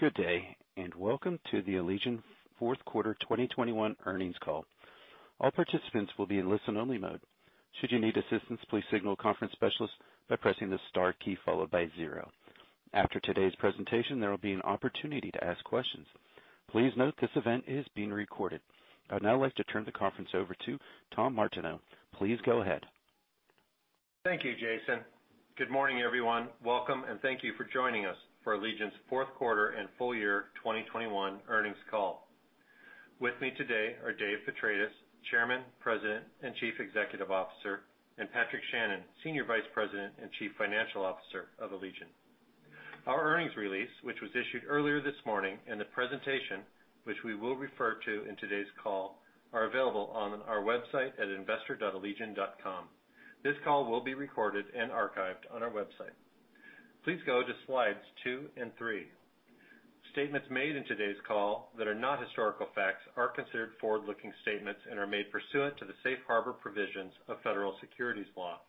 Good day, and welcome to the Allegion fourth quarter 2021 earnings call. All participants will be in listen-only mode. Should you need assistance, please signal a conference specialist by pressing the star key followed by zero. After today's presentation, there will be an opportunity to ask questions. Please note this event is being recorded. I'd now like to turn the conference over to Tom Martineau. Please go ahead. Thank you, Jason. Good morning, everyone. Welcome and thank you for joining us for Allegion's fourth quarter and full year 2021 earnings call. With me today are Dave Petratis, Chairman, President, and Chief Executive Officer, and Patrick Shannon, Senior Vice President and Chief Financial Officer of Allegion. Our earnings release, which was issued earlier this morning, and the presentation, which we will refer to in today's call, are available on our website at investor.allegion.com. This call will be recorded and archived on our website. Please go to slides two and three. Statements made in today's call that are not historical facts are considered forward-looking statements and are made pursuant to the safe harbor provisions of federal securities law.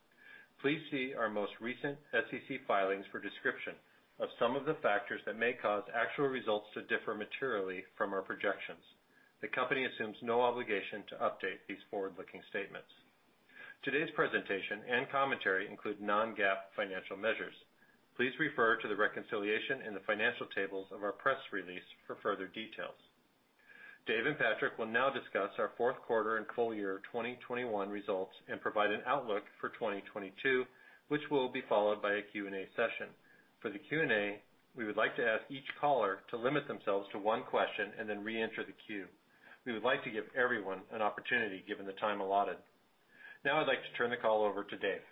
Please see our most recent SEC filings for description of some of the factors that may cause actual results to differ materially from our projections. The company assumes no obligation to update these forward-looking statements. Today's presentation and commentary include Non-GAAP financial measures. Please refer to the reconciliation in the financial tables of our press release for further details. Dave and Patrick will now discuss our fourth quarter and full year 2021 results and provide an outlook for 2022, which will be followed by a Q&A session. For the Q&A, we would like to ask each caller to limit themselves to one question and then reenter the queue. We would like to give everyone an opportunity given the time allotted. Now I'd like to turn the call over to Dave.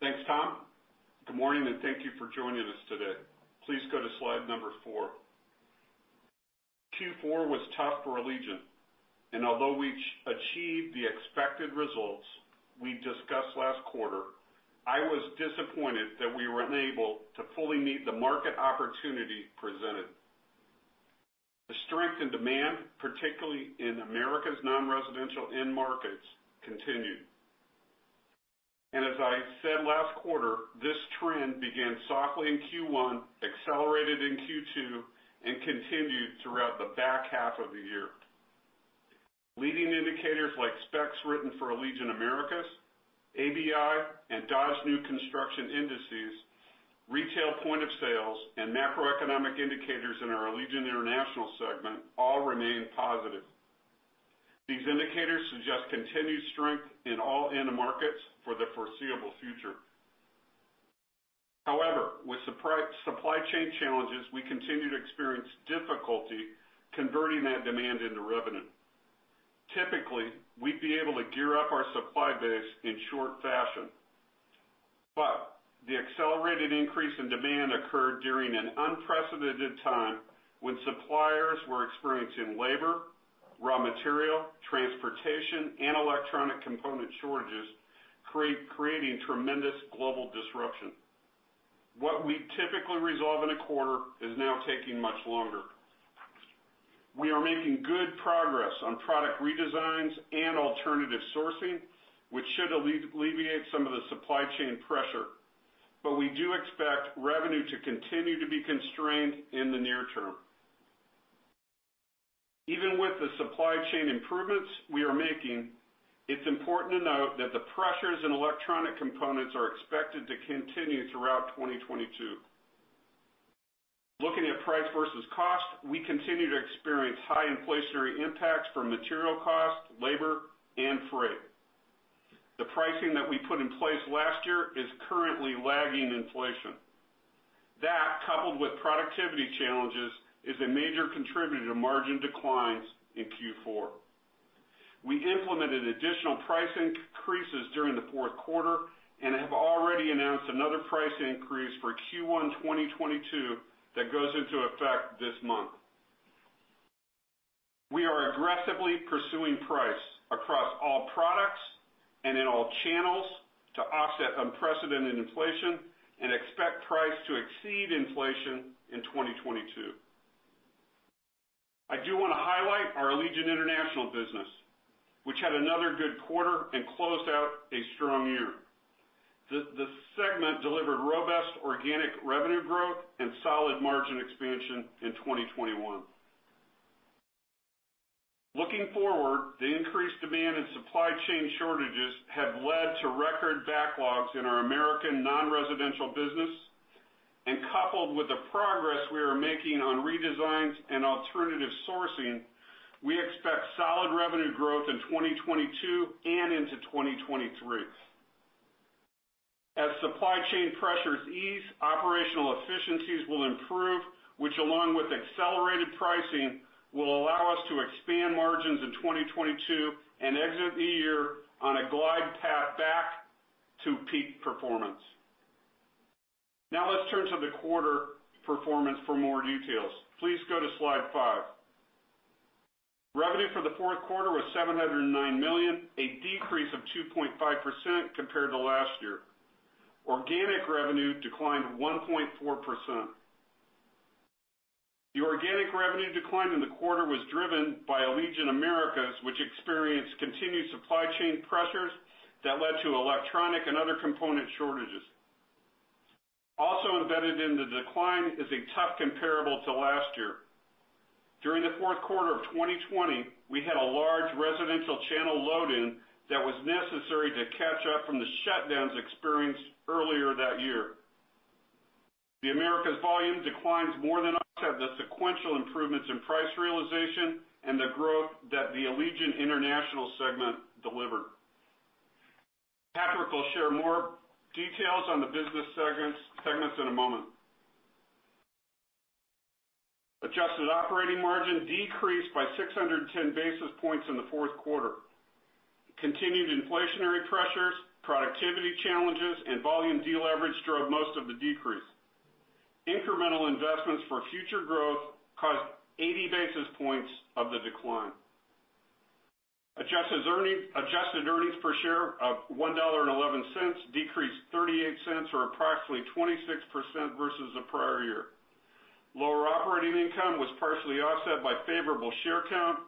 Thanks, Tom. Good morning, and thank you for joining us today. Please go to slide four. Q4 was tough for Allegion, and although we achieved the expected results we discussed last quarter, I was disappointed that we were unable to fully meet the market opportunity presented. The strength and demand, particularly in Americas non-residential end markets, continued. As I said last quarter, this trend began softly in Q1, accelerated in Q2, and continued throughout the back half of the year. Leading indicators like specs written for Allegion Americas, ABI, and Dodge new construction indices, retail point of sales, and macroeconomic indicators in our Allegion International segment all remain positive. These indicators suggest continued strength in all end markets for the foreseeable future. However, with supply chain challenges, we continue to experience difficulty converting that demand into revenue. Typically, we'd be able to gear up our supply base in short fashion. The accelerated increase in demand occurred during an unprecedented time when suppliers were experiencing labor, raw material, transportation, and electronic component shortages, creating tremendous global disruption. What we typically resolve in a quarter is now taking much longer. We are making good progress on product redesigns and alternative sourcing, which should alleviate some of the supply chain pressure. We do expect revenue to continue to be constrained in the near term. Even with the supply chain improvements we are making, it's important to note that the pressures in electronic components are expected to continue throughout 2022. Looking at price versus cost, we continue to experience high inflationary impacts from material costs, labor, and freight. The pricing that we put in place last year is currently lagging inflation. That, coupled with productivity challenges, is a major contributor to margin declines in Q4. We implemented additional price increases during the fourth quarter and have already announced another price increase for Q1 2022 that goes into effect this month. We are aggressively pursuing price across all products and in all channels to offset unprecedented inflation and expect price to exceed inflation in 2022. I do wanna highlight our Allegion International business, which had another good quarter and closed out a strong year. The segment delivered robust organic revenue growth and solid margin expansion in 2021. Looking forward, the increased demand and supply chain shortages have led to record backlogs in our Americas non-residential business. Coupled with the progress we are making on redesigns and alternative sourcing, we expect solid revenue growth in 2022 and into 2023. As supply chain pressures ease, operational efficiencies will improve, which along with accelerated pricing, will allow us to expand margins in 2022 and exit the year on a glide path back to peak performance. Now let's turn to the quarter performance for more details. Please go to slide five. Revenue for the fourth quarter was $709 million, a decrease of 2.5% compared to last year. Organic revenue declined 1.4%. The organic revenue decline in the quarter was driven by Allegion Americas, which experienced continued supply chain pressures that led to electronic and other component shortages. Also embedded in the decline is a tough comparable to last year. During the fourth quarter of 2020, we had a large residential channel load in that was necessary to catch up from the shutdowns experienced earlier that year. The Americas volume declines more than offset the sequential improvements in price realization and the growth that the Allegion International segment delivered. Patrick will share more details on the business segments in a moment. Adjusted operating margin decreased by 610 basis points in the fourth quarter. Continued inflationary pressures, productivity challenges, and volume deleverage drove most of the decrease. Incremental investments for future growth caused 80 basis points of the decline. Adjusted earnings per share of $1.11 decreased $0.38 Or approximately 26% versus the prior year. Lower operating income was partially offset by favorable share count,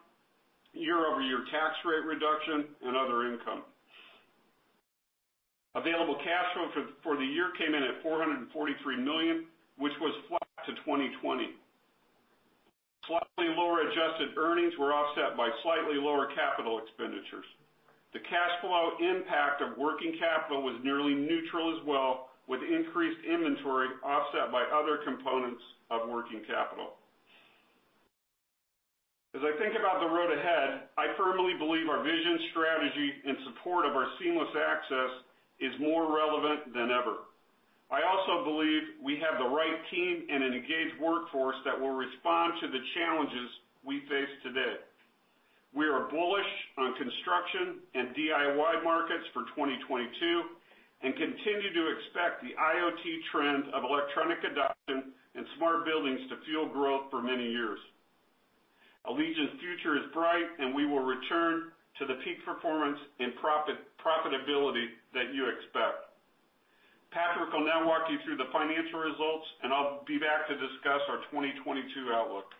year-over-year tax rate reduction, and other income. Available cash flow for the year came in at $443 million, which was flat to 2020. Slightly lower adjusted earnings were offset by slightly lower capital expenditures. The cash flow impact of working capital was nearly neutral as well, with increased inventory offset by other components of working capital. As I think about the road ahead, I firmly believe our vision, strategy, and support of our seamless access is more relevant than ever. I also believe we have the right team and an engaged workforce that will respond to the challenges we face today. We are bullish on construction and DIY markets for 2022 and continue to expect the IoT trend of electronic adoption and smart buildings to fuel growth for many years. Allegion's future is bright, and we will return to the peak performance and profitability that you expect. Patrick will now walk you through the financial results, and I'll be back to discuss our 2022 outlook.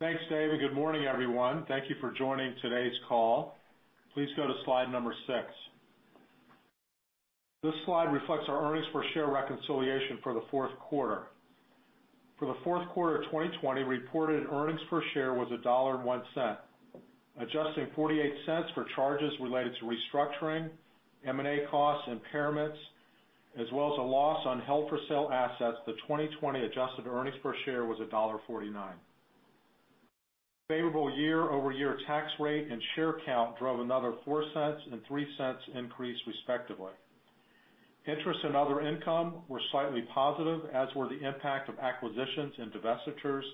Thanks, Dave, and good morning, everyone. Thank you for joining today's call. Please go to slide six. This slide reflects our earnings per share reconciliation for the fourth quarter. For the fourth quarter of 2020, reported earnings per share was $1.01. Adjusting $0.48 for charges related to restructuring, M&A costs, impairments, as well as a loss on held for sale assets, the 2020 adjusted earnings per share was $1.49. Favorable year-over-year tax rate and share count drove another $0.04 and $0.03 increase respectively. Interest and other income were slightly positive, as were the impact of acquisitions and divestitures,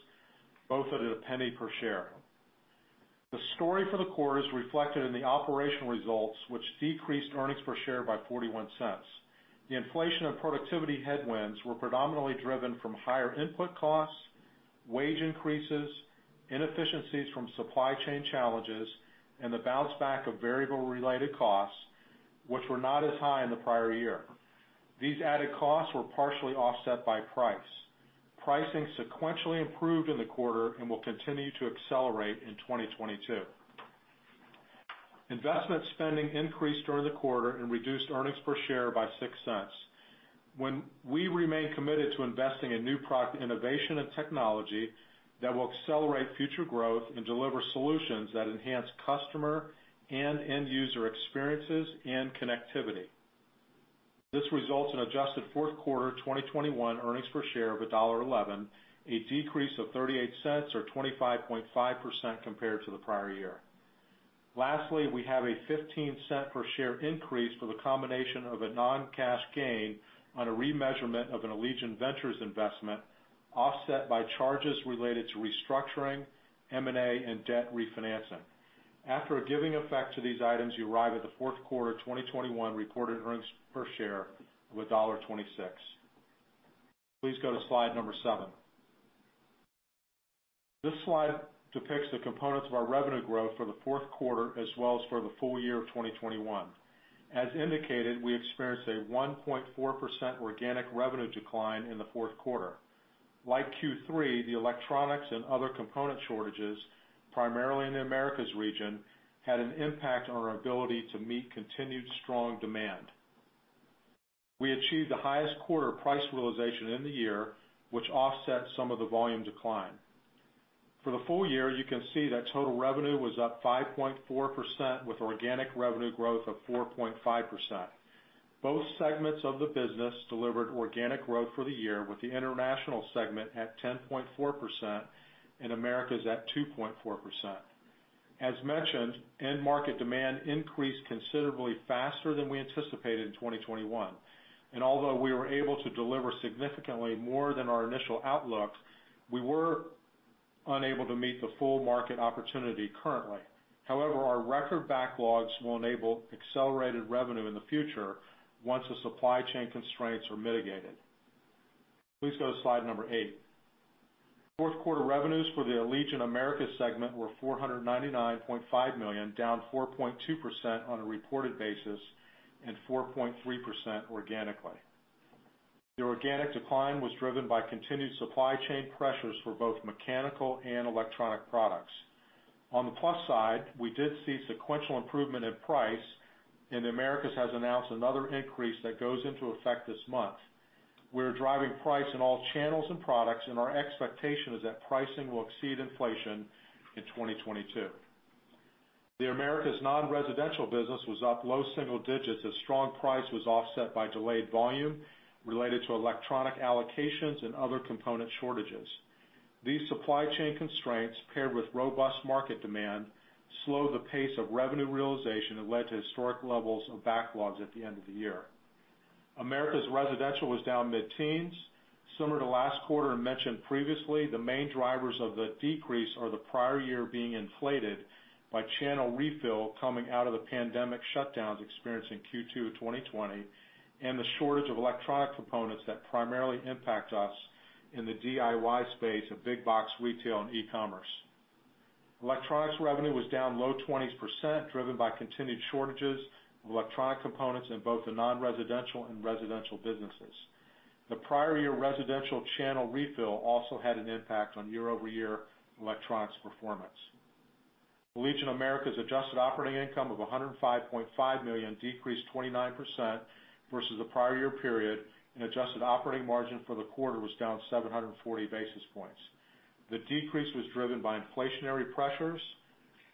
both at $0.01 per share. The story for the quarter is reflected in the operational results which decreased earnings per share by $0.41. The inflation and productivity headwinds were predominantly driven from higher input costs, wage increases, inefficiencies from supply chain challenges, and the bounce back of variable-related costs which were not as high in the prior year. These added costs were partially offset by price. Pricing sequentially improved in the quarter and will continue to accelerate in 2022. Investment spending increased during the quarter and reduced earnings per share by $0.06. We remain committed to investing in new product innovation and technology that will accelerate future growth and deliver solutions that enhance customer and end user experiences and connectivity. This results in adjusted fourth quarter 2021 earnings per share of $1.11, a decrease of $0.38 or 25.5% compared to the prior year. Lastly, we have a $0.15 per share increase for the combination of a non-cash gain on a remeasurement of an Allegion Ventures investment, offset by charges related to restructuring, M&A, and debt refinancing. After giving effect to these items, you arrive at the fourth quarter of 2021 reported earnings per share of $1.26. Please go to slide seven. This slide depicts the components of our revenue growth for the fourth quarter as well as for the full year of 2021. As indicated, we experienced a 1.4% organic revenue decline in the fourth quarter. Like Q3, the electronics and other component shortages, primarily in the Americas region, had an impact on our ability to meet continued strong demand. We achieved the highest quarter price realization in the year, which offset some of the volume decline. For the full year, you can see that total revenue was up 5.4% with organic revenue growth of 4.5%. Both segments of the business delivered organic growth for the year with the International segment at 10.4% and Americas at 2.4%. As mentioned, end market demand increased considerably faster than we anticipated in 2021. Although we were able to deliver significantly more than our initial outlook, we were unable to meet the full market opportunity currently. However, our record backlogs will enable accelerated revenue in the future once the supply chain constraints are mitigated. Please go to slide eight. Fourth quarter revenues for the Allegion Americas segment were $499.5 million, down 4.2% on a reported basis and 4.3% organically. The organic decline was driven by continued supply chain pressures for both mechanical and electronic products. On the plus side, we did see sequential improvement in price, and the Americas has announced another increase that goes into effect this month. We're driving price in all channels and products, and our expectation is that pricing will exceed inflation in 2022. The Americas non-residential business was up low single digits as strong price was offset by delayed volume related to electronic allocations and other component shortages. These supply chain constraints, paired with robust market demand, slowed the pace of revenue realization and led to historic levels of backlogs at the end of the year. Americas residential was down mid-teens. Similar to last quarter and mentioned previously, the main drivers of the decrease are the prior year being inflated by channel refill coming out of the pandemic shutdowns experienced in Q2 of 2020, and the shortage of electronic components that primarily impact us in the DIY space of big box retail and e-commerce. Electronics revenue was down low 20s%, driven by continued shortages of electronic components in both the non-residential and residential businesses. The prior year residential channel refill also had an impact on year-over-year electronics performance. Allegion Americas adjusted operating income of $105.5 million decreased 29% versus the prior year period, and adjusted operating margin for the quarter was down 740 basis points. The decrease was driven by inflationary pressures,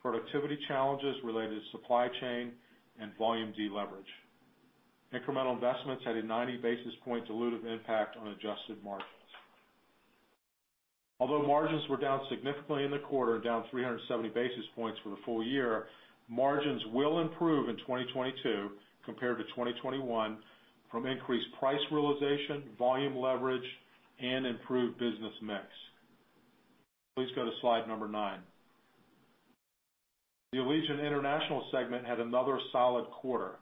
productivity challenges related to supply chain and volume deleverage. Incremental investments had a 90 basis point dilutive impact on adjusted margins. Although margins were down significantly in the quarter, down 370 basis points for the full year, margins will improve in 2022 compared to 2021 from increased price realization, volume leverage, and improved business mix. Please go to slide nine. The Allegion International segment had another solid quarter.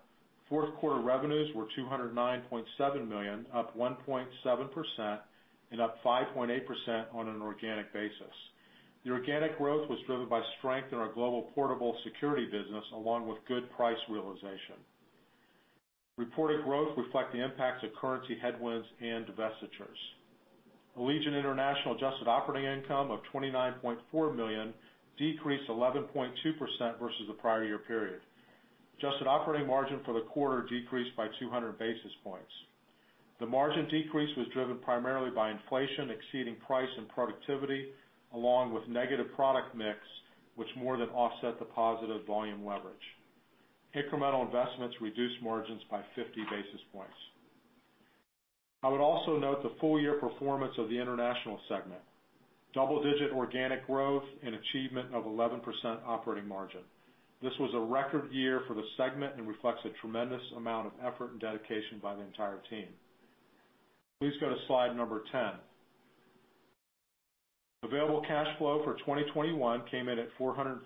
Fourth quarter revenues were $209.7 million, up 1.7% and up 5.8% on an organic basis. The organic growth was driven by strength in our global portable security business along with good price realization. Reported growth reflect the impacts of currency headwinds and divestitures. Allegion International adjusted operating income of $29.4 million decreased 11.2% versus the prior year period. Adjusted operating margin for the quarter decreased by 200 basis points. The margin decrease was driven primarily by inflation exceeding price and productivity, along with negative product mix, which more than offset the positive volume leverage. Incremental investments reduced margins by 50 basis points. I would also note the full-year performance of the international segment, double-digit organic growth and achievement of 11% operating margin. This was a record year for the segment and reflects a tremendous amount of effort and dedication by the entire team. Please go to Slide 10. Available cash flow for 2021 came in at $443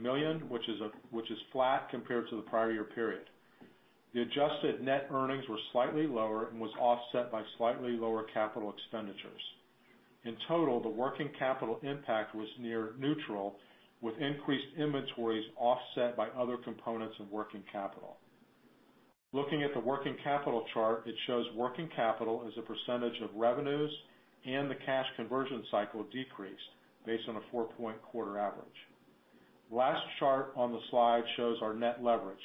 million, which is flat compared to the prior year period. The adjusted net earnings were slightly lower and was offset by slightly lower capital expenditures. In total, the working capital impact was near neutral, with increased inventories offset by other components of working capital. Looking at the working capital chart, it shows working capital as a percentage of revenues and the cash conversion cycle decreased based on a four-quarter average. Last chart on the slide shows our net leverage.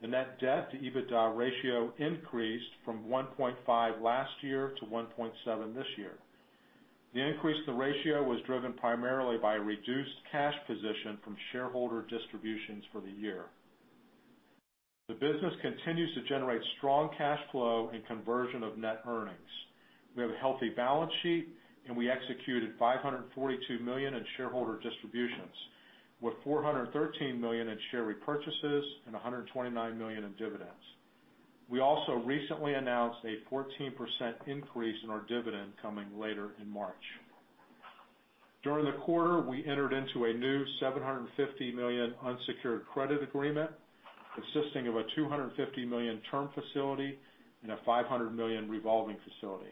The net debt to EBITDA ratio increased from 1.5x last year to 1.7x this year. The increase in the ratio was driven primarily by reduced cash position from shareholder distributions for the year. The business continues to generate strong cash flow and conversion of net earnings. We have a healthy balance sheet, and we executed $542 million in shareholder distributions, with $413 million in share repurchases and $129 million in dividends. We also recently announced a 14% increase in our dividend coming later in March. During the quarter, we entered into a new $750 million unsecured credit agreement consisting of a $250 million term facility and a $500 million revolving facility.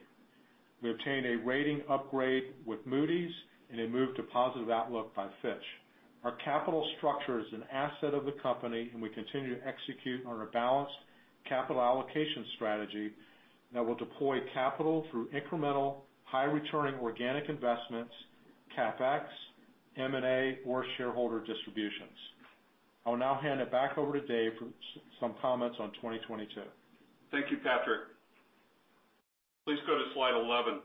We obtained a rating upgrade with Moody's and a move to positive outlook by Fitch. Our capital structure is an asset of the company, and we continue to execute on our balanced capital allocation strategy that will deploy capital through incremental, high-returning organic investments, CapEx, M&A, or shareholder distributions. I will now hand it back over to Dave for some comments on 2022. Thank you, Patrick. Please go to Slide 11.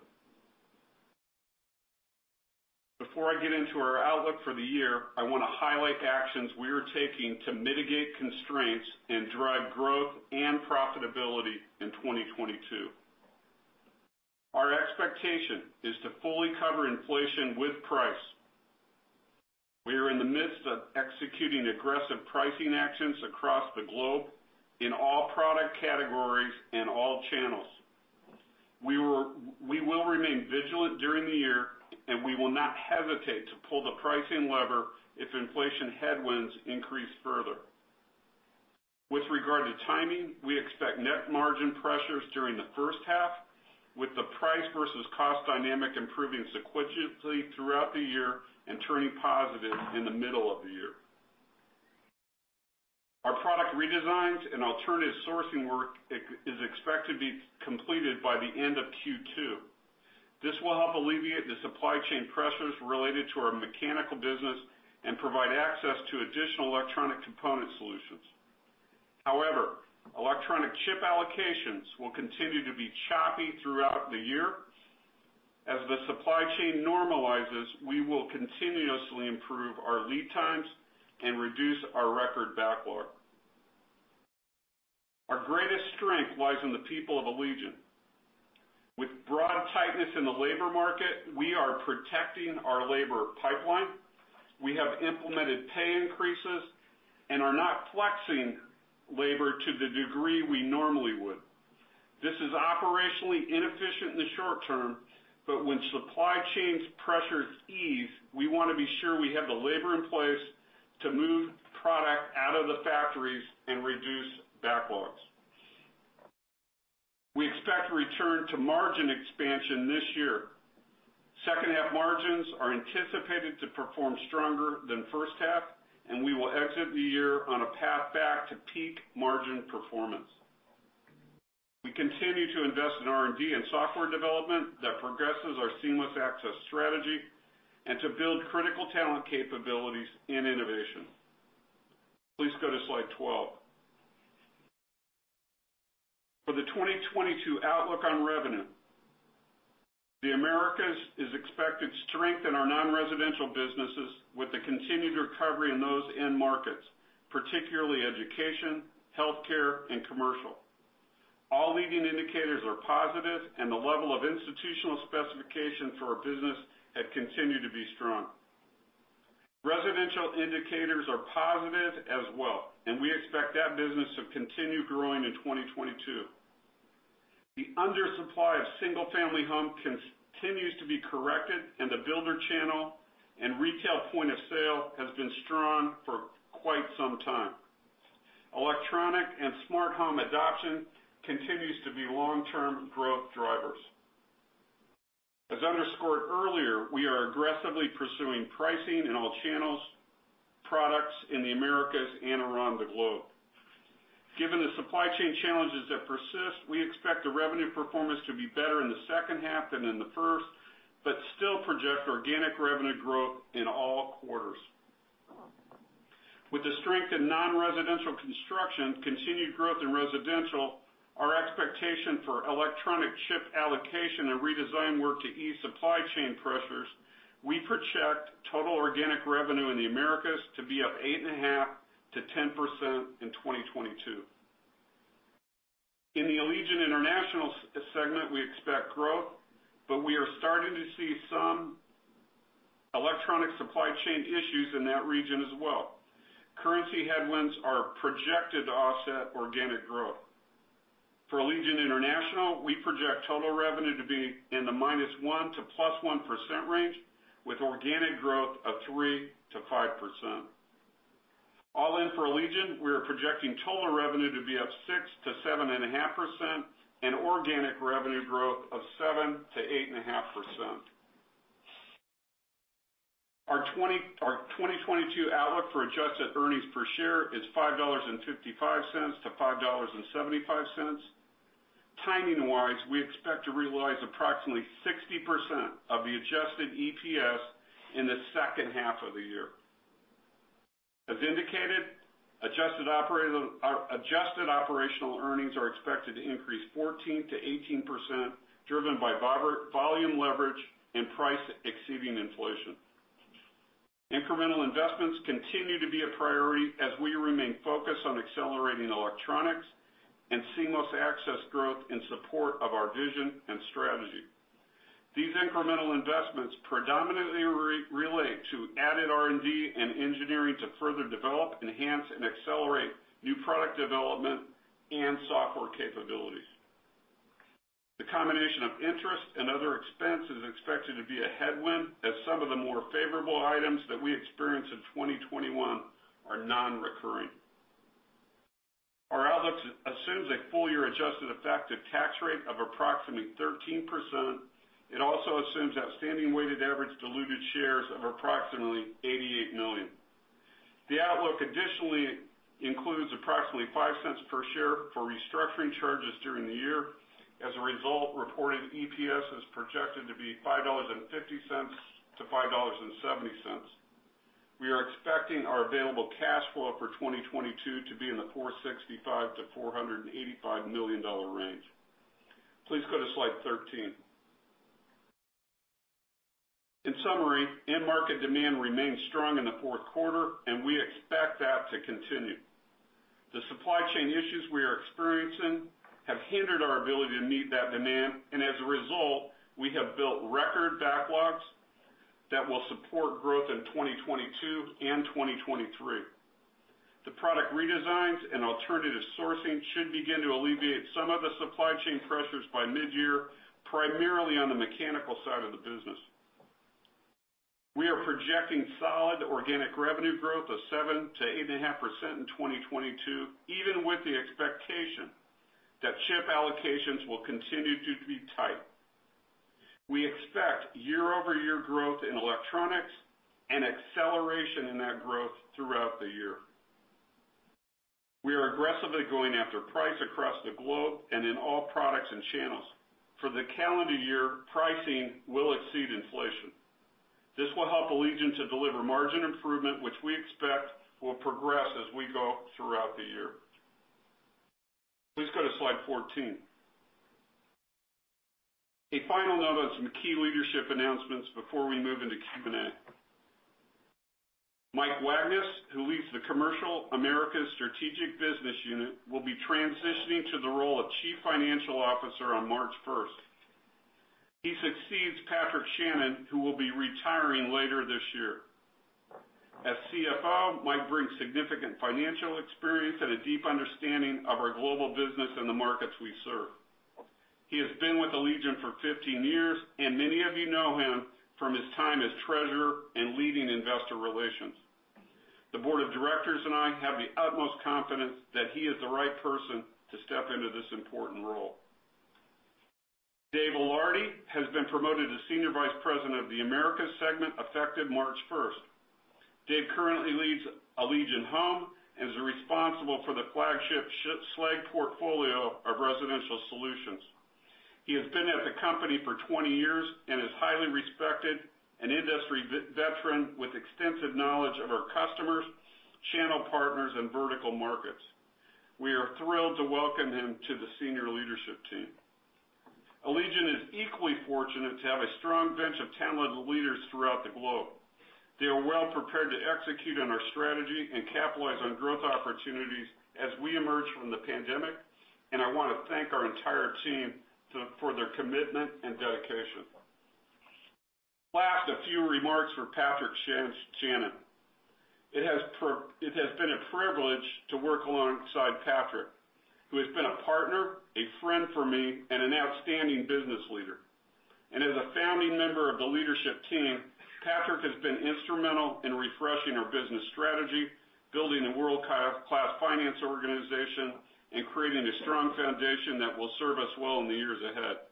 Before I get into our outlook for the year, I wanna highlight actions we are taking to mitigate constraints and drive growth and profitability in 2022. Our expectation is to fully cover inflation with price. We are in the midst of executing aggressive pricing actions across the globe in all product categories and all channels. We will remain vigilant during the year, and we will not hesitate to pull the pricing lever if inflation headwinds increase further. With regard to timing, we expect net margin pressures during the first half, with the price versus cost dynamic improving sequentially throughout the year and turning positive in the middle of the year. Product redesigns and alternative sourcing work is expected to be completed by the end of Q2. This will help alleviate the supply chain pressures related to our mechanical business and provide access to additional electronic component solutions. However, electronic chip allocations will continue to be choppy throughout the year. As the supply chain normalizes, we will continuously improve our lead times and reduce our record backlog. Our greatest strength lies in the people of Allegion. With broad tightness in the labor market, we are protecting our labor pipeline. We have implemented pay increases and are not flexing labor to the degree we normally would. This is operationally inefficient in the short term, but when supply chain pressures ease, we wanna be sure we have the labor in place to move product out of the factories and reduce backlogs. We expect a return to margin expansion this year. Second half margins are anticipated to perform stronger than first half, and we will exit the year on a path back to peak margin performance. We continue to invest in R&D and software development that progresses our seamless access strategy and to build critical talent capabilities in innovation. Please go to Slide 12. For the 2022 outlook on revenue, the Americas is expected to strengthen our non-residential businesses with the continued recovery in those end markets, particularly education, healthcare, and commercial. All leading indicators are positive, and the level of institutional specification for our business have continued to be strong. Residential indicators are positive as well, and we expect that business to continue growing in 2022. The undersupply of single-family home continues to be corrected, and the builder channel and retail point of sale has been strong for quite some time. Electronic and smart home adoption continues to be long-term growth drivers. As underscored earlier, we are aggressively pursuing pricing in all channels, products in the Americas and around the globe. Given the supply chain challenges that persist, we expect the revenue performance to be better in the second half than in the first, but still project organic revenue growth in all quarters. With the strength in non-residential construction, continued growth in residential, our expectation for electronic chip allocation and redesign work to ease supply chain pressures, we project total organic revenue in the Americas to be up 8.5%-10% in 2022. In the Allegion International segment, we expect growth, but we are starting to see some electronic supply chain issues in that region as well. Currency headwinds are projected to offset organic growth. For Allegion International, we project total revenue to be in the -1% to +1% range, with organic growth of 3%-5%. All in for Allegion, we are projecting total revenue to be up 6%-7.5% and organic revenue growth of 7%-8.5%. Our 2022 outlook for adjusted earnings per share is $5.55-$5.75. Timing-wise, we expect to realize approximately 60% of the adjusted EPS in the second half of the year. As indicated, adjusted operating, or adjusted operational earnings are expected to increase 14%-18%, driven by volume leverage and price exceeding inflation. Incremental investments continue to be a priority as we remain focused on accelerating electronics and seamless access growth in support of our vision and strategy. These incremental investments predominantly relate to added R&D and engineering to further develop, enhance, and accelerate new product development and software capabilities. The combination of interest and other expense is expected to be a headwind, as some of the more favorable items that we experienced in 2021 are non-recurring. Our outlook assumes a full year adjusted effective tax rate of approximately 13%. It also assumes outstanding weighted average diluted shares of approximately 88 million. The outlook additionally includes approximately $0.05 per share for restructuring charges during the year. As a result, reported EPS is projected to be $5.50-$5.70. We are expecting our available cash flow for 2022 to be in the $465 million-$485 million range. Please go to Slide 13. In summary, end market demand remained strong in the fourth quarter, and we expect that to continue. The supply chain issues we are experiencing have hindered our ability to meet that demand. As a result, we have built record backlogs that will support growth in 2022 and 2023. The product redesigns and alternative sourcing should begin to alleviate some of the supply chain pressures by mid-year, primarily on the mechanical side of the business. We are projecting solid organic revenue growth of 7%-8.5% in 2022, even with the expectation that chip allocations will continue to be tight. We expect year-over-year growth in electronics and acceleration in that growth throughout the year. We are aggressively going after price across the globe and in all products and channels. For the calendar year, pricing will exceed inflation. This will help Allegion to deliver margin improvement, which we expect will progress as we go throughout the year. Please go to Slide 14. A final note on some key leadership announcements before we move into Q&A. Mike Wagnes, who leads the Commercial Americas Strategic Business Unit, will be transitioning to the role of Chief Financial Officer on March first. He succeeds Patrick Shannon, who will be retiring later this year. As Chief Financial Officer, Mike brings significant financial experience and a deep understanding of our global business and the markets we serve. He has been with Allegion for 15 years, and many of you know him from his time as treasurer and leading investor relations. The board of directors and I have the utmost confidence that he is the right person to step into this important role. Dave Ilardi has been promoted to Senior Vice President of the Americas segment effective March first. Dave currently leads Allegion Home and is responsible for the flagship Schlage portfolio of residential solutions. He has been at the company for 20 years and is highly respected and industry veteran with extensive knowledge of our customers, channel partners, and vertical markets. We are thrilled to welcome him to the senior leadership team. Allegion is equally fortunate to have a strong bench of talented leaders throughout the globe. They are well prepared to execute on our strategy and capitalize on growth opportunities as we emerge from the pandemic, and I wanna thank our entire team for their commitment and dedication. Last, a few remarks for Patrick Shannon. It has been a privilege to work alongside Patrick, who has been a partner, a friend for me, and an outstanding business leader. As a founding member of the leadership team, Patrick has been instrumental in refreshing our business strategy, building a world-class finance organization, and creating a strong foundation that will serve us well in the years ahead.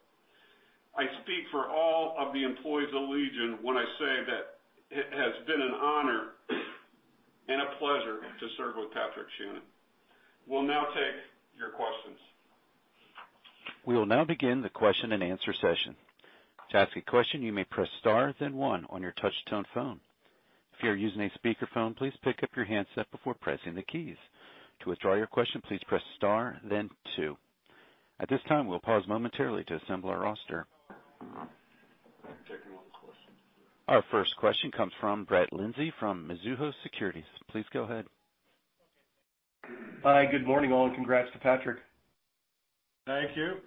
I speak for all of the employees of Allegion when I say that it has been an honor and a pleasure to serve with Patrick Shannon. We'll now take your questions. We will now begin the question-and-answer session. To ask a question, you may press star then one on your touch tone phone. If you are using a speakerphone, please pick up your handset before pressing the keys. To withdraw your question, please press star then two. At this time, we'll pause momentarily to assemble our roster. Taking all questions. Our first question comes from Brett Linzey from Mizuho Securities. Please go ahead. Hi, good morning, all, and congrats to Patrick. Thank you.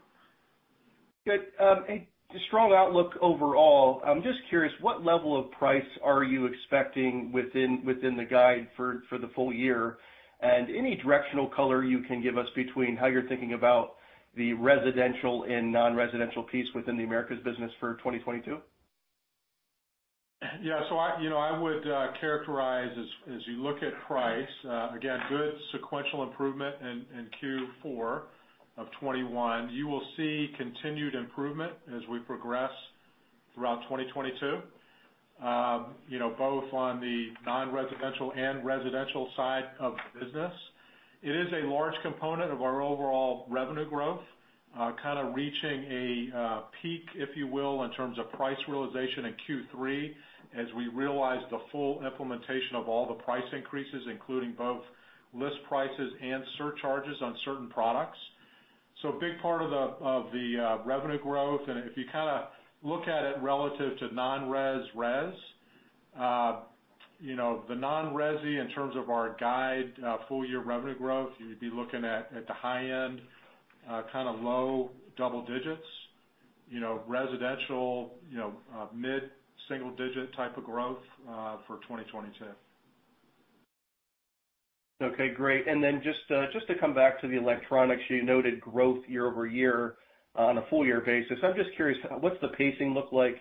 Good. A strong outlook overall. I'm just curious, what level of price are you expecting within the guide for the full year? And any directional color you can give us between how you're thinking about the residential and non-residential piece within the Americas business for 2022? I would, you know, characterize as you look at price again good sequential improvement in Q4 of 2021. You will see continued improvement as we progress throughout 2022, you know, both on the non-residential and residential side of the business. It is a large component of our overall revenue growth, kinda reaching a peak, if you will, in terms of price realization in Q3 as we realize the full implementation of all the price increases, including both list prices and surcharges on certain products. A big part of the revenue growth. If you kinda look at it relative to non-res, res, you know, the non-resi in terms of our guide full year revenue growth, you'd be looking at the high end kinda low double digits. You know, residential, you know, mid-single-digit type of growth for 2022. Okay, great. Just to come back to the electronics, you noted growth year-over-year on a full year basis. I'm just curious, what's the pacing look like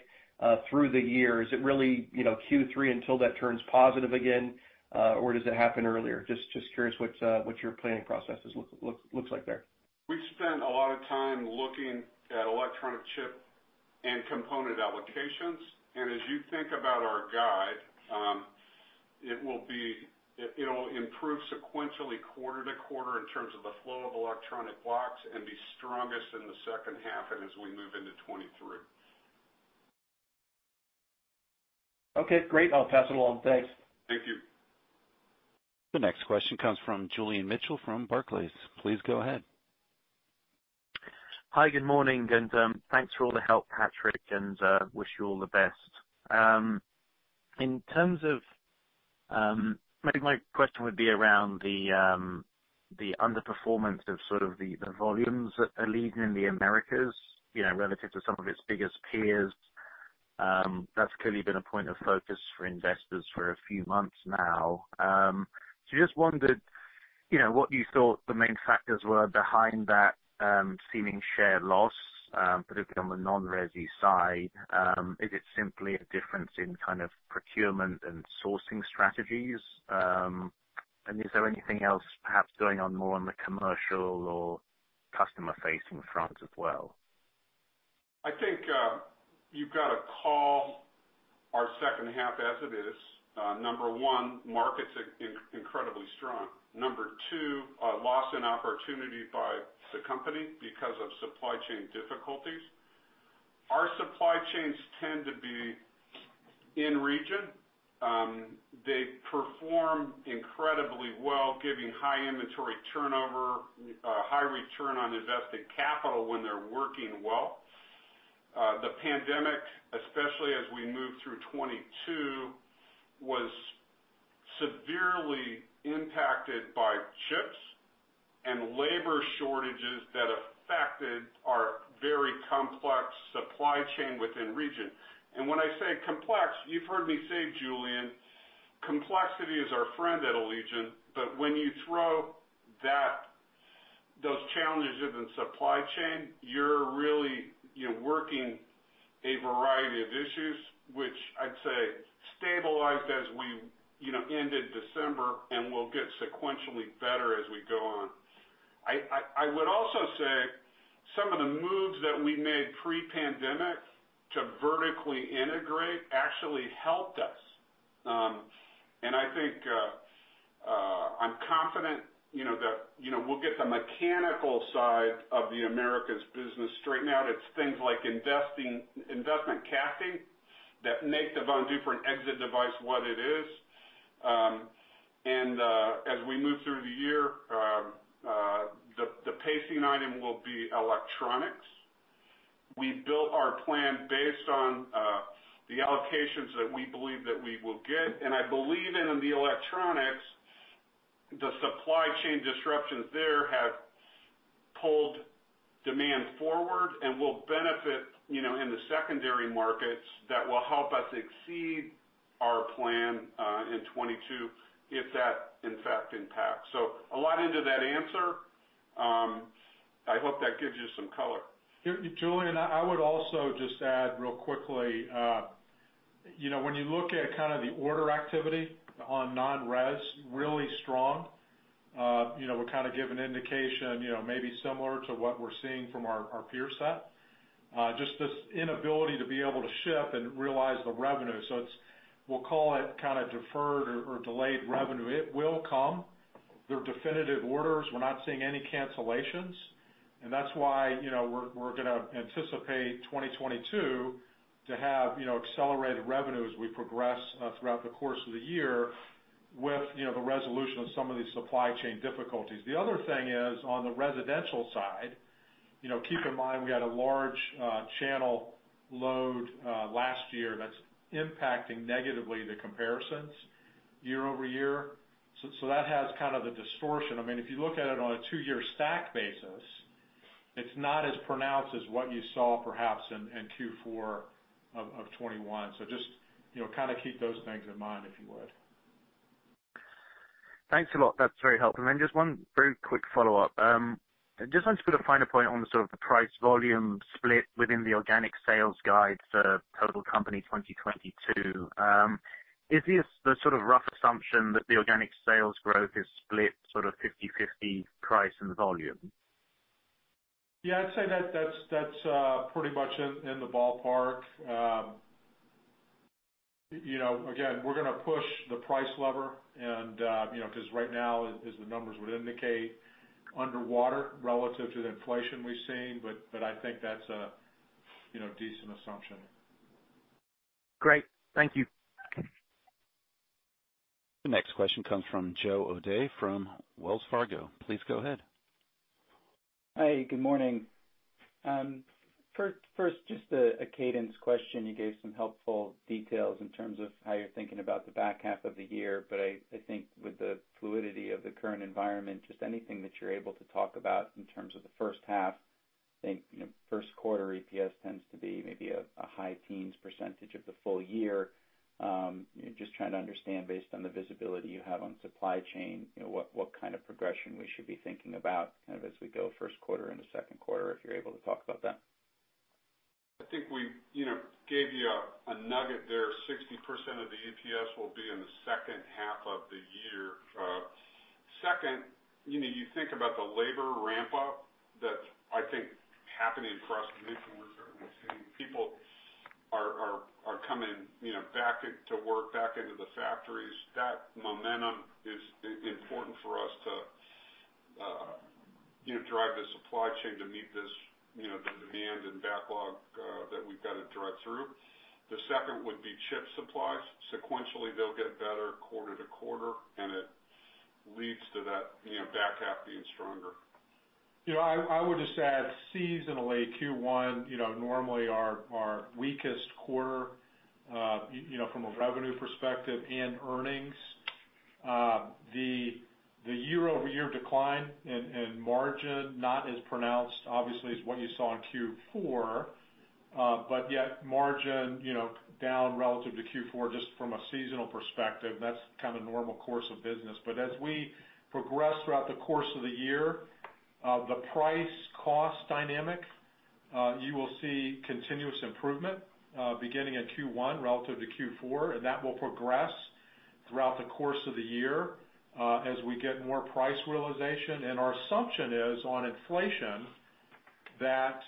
through the year? Is it really, you know, Q3 until that turns positive again, or does it happen earlier? Just curious what your planning process looks like there. We spend a lot of time looking at electronic chip and component allocations. As you think about our guide, it'll improve sequentially quarter to quarter in terms of the flow of electronic blocks and be strongest in the second half and as we move into 2023. Okay, great. I'll pass it along. Thanks. Thank you. The next question comes from Julian Mitchell from Barclays. Please go ahead. Hi, good morning, and thanks for all the help, Patrick, and wish you all the best. In terms of, maybe my question would be around the underperformance of sort of the volumes at Allegion in the Americas, you know, relative to some of its biggest peers. That's clearly been a point of focus for investors for a few months now. Just wondered, you know, what you thought the main factors were behind that, seeming share loss, particularly on the non-resi side. Is it simply a difference in kind of procurement and sourcing strategies? Is there anything else perhaps going on more on the commercial or customer-facing front as well? I think, you've gotta call our second half as it is. Number one, market's incredibly strong. Number two, a loss in opportunity by the company because of supply chain difficulties. Our supply chains tend to be in region. They perform incredibly well, giving high inventory turnover, high return on invested capital when they're working well. The pandemic, especially as we move through 2022, was severely impacted by chips and labor shortages that affected our very complex supply chain within region. When I say complex, you've heard me say, Julian, complexity is our friend at Allegion. When you throw those challenges in supply chain, you're really, you know, working a variety of issues, which I'd say stabilized as we, you know, ended December and will get sequentially better as we go on. I would also say some of the moves that we made pre-pandemic to vertically integrate actually helped us. I think I'm confident, you know, that, you know, we'll get the mechanical side of the Americas business straightened out. It's things like investment casting that make the Von Duprin exit device what it is. As we move through the year, the pacing item will be electronics. We built our plan based on the allocations that we believe that we will get. I believe in the electronics, the supply chain disruptions there have pulled demand forward and will benefit, you know, in the secondary markets that will help us exceed our plan in 2022, if that in fact impacts. A lot into that answer. I hope that gives you some color. Julian, I would also just add real quickly, you know, when you look at kind of the order activity on non-res, really strong. You know, would kind of give an indication, you know, maybe similar to what we're seeing from our peer set. Just this inability to be able to ship and realize the revenue. So it's. We'll call it kind of deferred or delayed revenue. It will come. They're definitive orders. We're not seeing any cancellations. That's why, you know, we're gonna anticipate 2022 to have, you know, accelerated revenue as we progress throughout the course of the year with, you know, the resolution of some of these supply chain difficulties. The other thing is on the residential side, you know, keep in mind we had a large channel load last year that's impacting negatively the comparisons year-over-year. That has kind of the distortion. I mean, if you look at it on a two-year stack basis, it's not as pronounced as what you saw perhaps in Q4 of 2021. Just, you know, kind of keep those things in mind, if you would. Thanks a lot. That's very helpful. Just one very quick follow-up. I just wanted to put a finer point on the sort of price volume split within the organic sales guide for total company 2022. Is this the sort of rough assumption that the organic sales growth is split sort of 50/50 price and volume? Yeah, I'd say that's pretty much in the ballpark. You know, again, we're gonna push the price lever and you know, 'cause right now, as the numbers would indicate, underwater relative to the inflation we've seen. I think that's a decent assumption. Great. Thank you. The next question comes from Joe O'Dea from Wells Fargo. Please go ahead. Hi, good morning. First just a cadence question. You gave some helpful details in terms of how you're thinking about the back half of the year. I think with the fluidity of the current environment, just anything that you're able to talk about in terms of the first half. I think, you know, first quarter EPS tends to be maybe a high teens percentage of the full year. Just trying to understand, based on the visibility you have on supply chain, you know, what kind of progression we should be thinking about kind of as we go first quarter into second quarter, if you're able to talk about that. I think we gave you a nugget there. 60% of the EPS will be in the second half of the year. Second, you think about the labor ramp up that I think happening across the nation where we're seeing people are coming back into work, back into the factories. That momentum is important for us to drive the supply chain to meet the demand and backlog that we've got to drive through. The second would be chip supplies. Sequentially, they'll get better quarter to quarter, and it leads to that back half being stronger. You know, I would just add seasonally Q1, you know, normally our weakest quarter, you know, from a revenue perspective and earnings. The year-over-year decline in margin, not as pronounced, obviously, as what you saw in Q4, but yet margin, you know, down relative to Q4 just from a seasonal perspective. That's kind of normal course of business. As we progress throughout the course of the year, the price-cost dynamic You will see continuous improvement beginning in Q1 relative to Q4, and that will progress throughout the course of the year as we get more price realization. Our assumption is on inflation that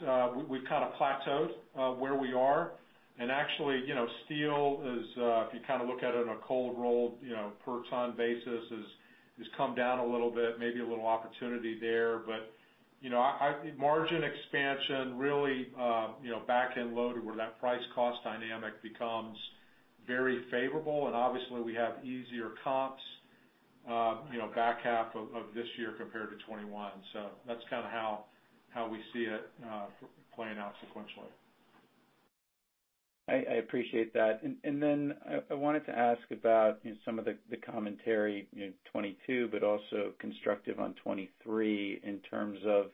we've kind of plateaued where we are. Actually, you know, steel is, if you kind of look at it in a cold roll, you know, per ton basis, has come down a little bit, maybe a little opportunity there. You know, margin expansion really, you know, back-end loaded where that price cost dynamic becomes very favorable. Obviously we have easier comps, you know, back half of this year compared to 2021. That's kind of how we see it playing out sequentially. I appreciate that. Then I wanted to ask about, you know, some of the commentary, you know, 2022, but also constructive on 2023 in terms of,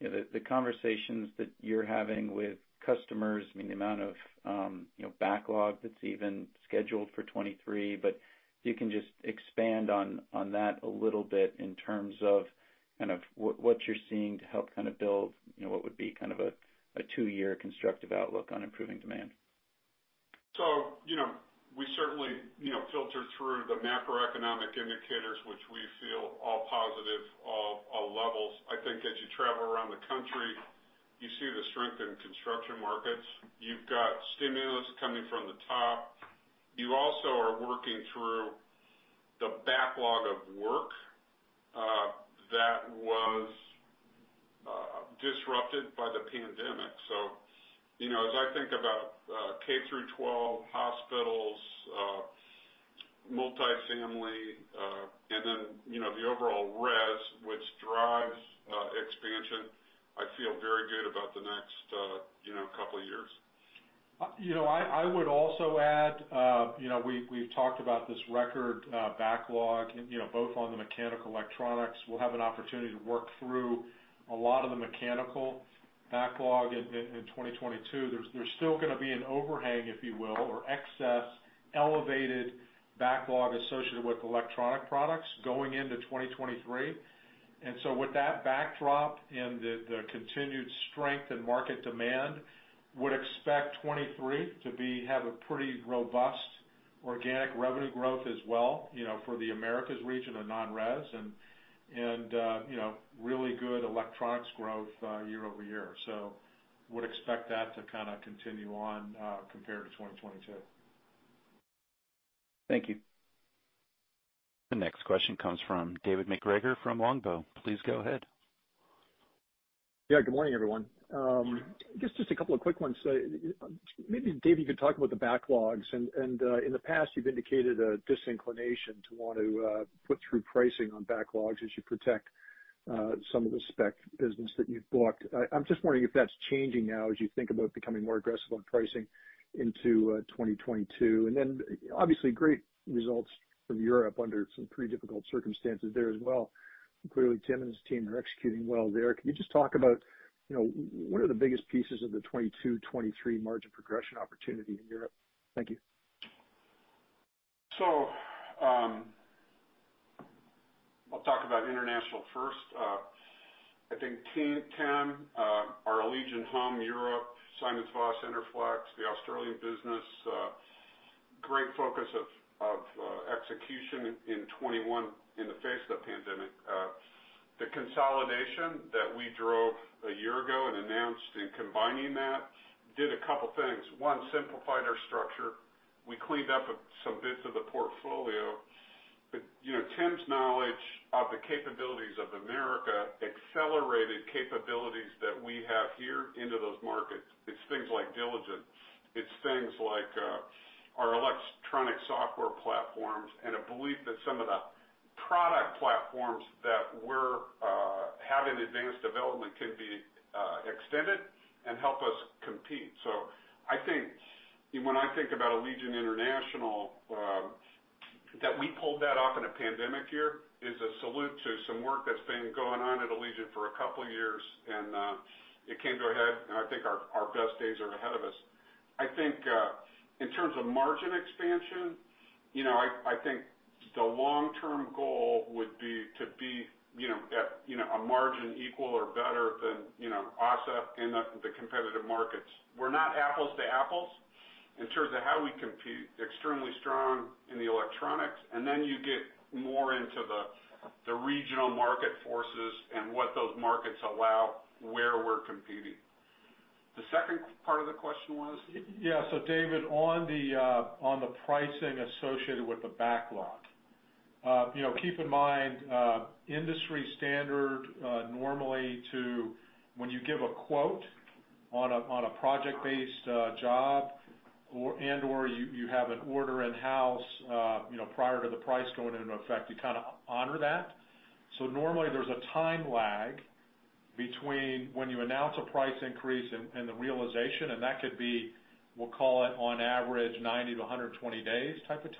you know, the conversations that you're having with customers, I mean, the amount of, you know, backlog that's even scheduled for 2023. If you can just expand on that a little bit in terms of kind of what you're seeing to help kind of build, you know, what would be kind of a two-year constructive outlook on improving demand. You know, we certainly, you know, filter through the macroeconomic indicators, which we feel all positive, all levels. I think as you travel around the country, you see the strength in construction markets. You've got stimulus coming from the top. You also are working through the backlog of work that was disrupted by the pandemic. You know, as I think about K through 12, hospitals, multifamily, and then, you know, the overall res, which drives expansion, I feel very good about the next, you know, couple of years. You know, I would also add, you know, we've talked about this record backlog, you know, both on the mechanical and electronics. We'll have an opportunity to work through a lot of the mechanical backlog in 2022. There's still gonna be an overhang, if you will, or excess elevated backlog associated with electronic products going into 2023. With that backdrop and the continued strength in market demand, would expect 2023 to have a pretty robust organic revenue growth as well, you know, for the Americas region and non-res and you know, really good electronics growth year-over-year. Would expect that to kind of continue on compared to 2022. Thank you. The next question comes from David MacGregor from Longbow. Please go ahead. Yeah, good morning, everyone. I guess just a couple of quick ones. Maybe Dave, you could talk about the backlogs. In the past, you've indicated a disinclination to want to put through pricing on backlogs as you protect some of the spec business that you've booked. I'm just wondering if that's changing now as you think about becoming more aggressive on pricing into 2022. Obviously great results from Europe under some pretty difficult circumstances there as well. Clearly, Tim and his team are executing well there. Can you just talk about, you know, what are the biggest pieces of the 2022, 2023 margin progression opportunity in Europe? Thank you. I'll talk about international first. I think Team Tim, our Allegion Home Europe, SimonsVoss, Interflex, the Australian business, great focus of execution in 2021 in the face of the pandemic. The consolidation that we drove a year ago and announced in combining that did a couple things. One, simplified our structure. We cleaned up some bits of the portfolio. You know, Tim's knowledge of the capabilities of Americas accelerated capabilities that we have here into those markets. It's things like Diligent. It's things like our electronic software platforms and a belief that some of the product platforms that we have in advanced development can be extended and help us compete. I think when I think about Allegion International, that we pulled that off in a pandemic year is a salute to some work that's been going on at Allegion for a couple years, and it came to a head, and I think our best days are ahead of us. I think in terms of margin expansion, you know, I think the long-term goal would be to be, you know, at, you know, a margin equal or better than, you know, Assa in the competitive markets. We're not apples to apples in terms of how we compete. Extremely strong in the electronics, and then you get more into the regional market forces and what those markets allow, where we're competing. The second part of the question was? Yeah. David, on the pricing associated with the backlog. You know, keep in mind, industry standard, normally when you give a quote on a project-based job or and/or you have an order in-house, you know, prior to the price going into effect, you kind of honor that. Normally, there's a time lag between when you announce a price increase and the realization, and that could be, we'll call it on average 90-120 days type of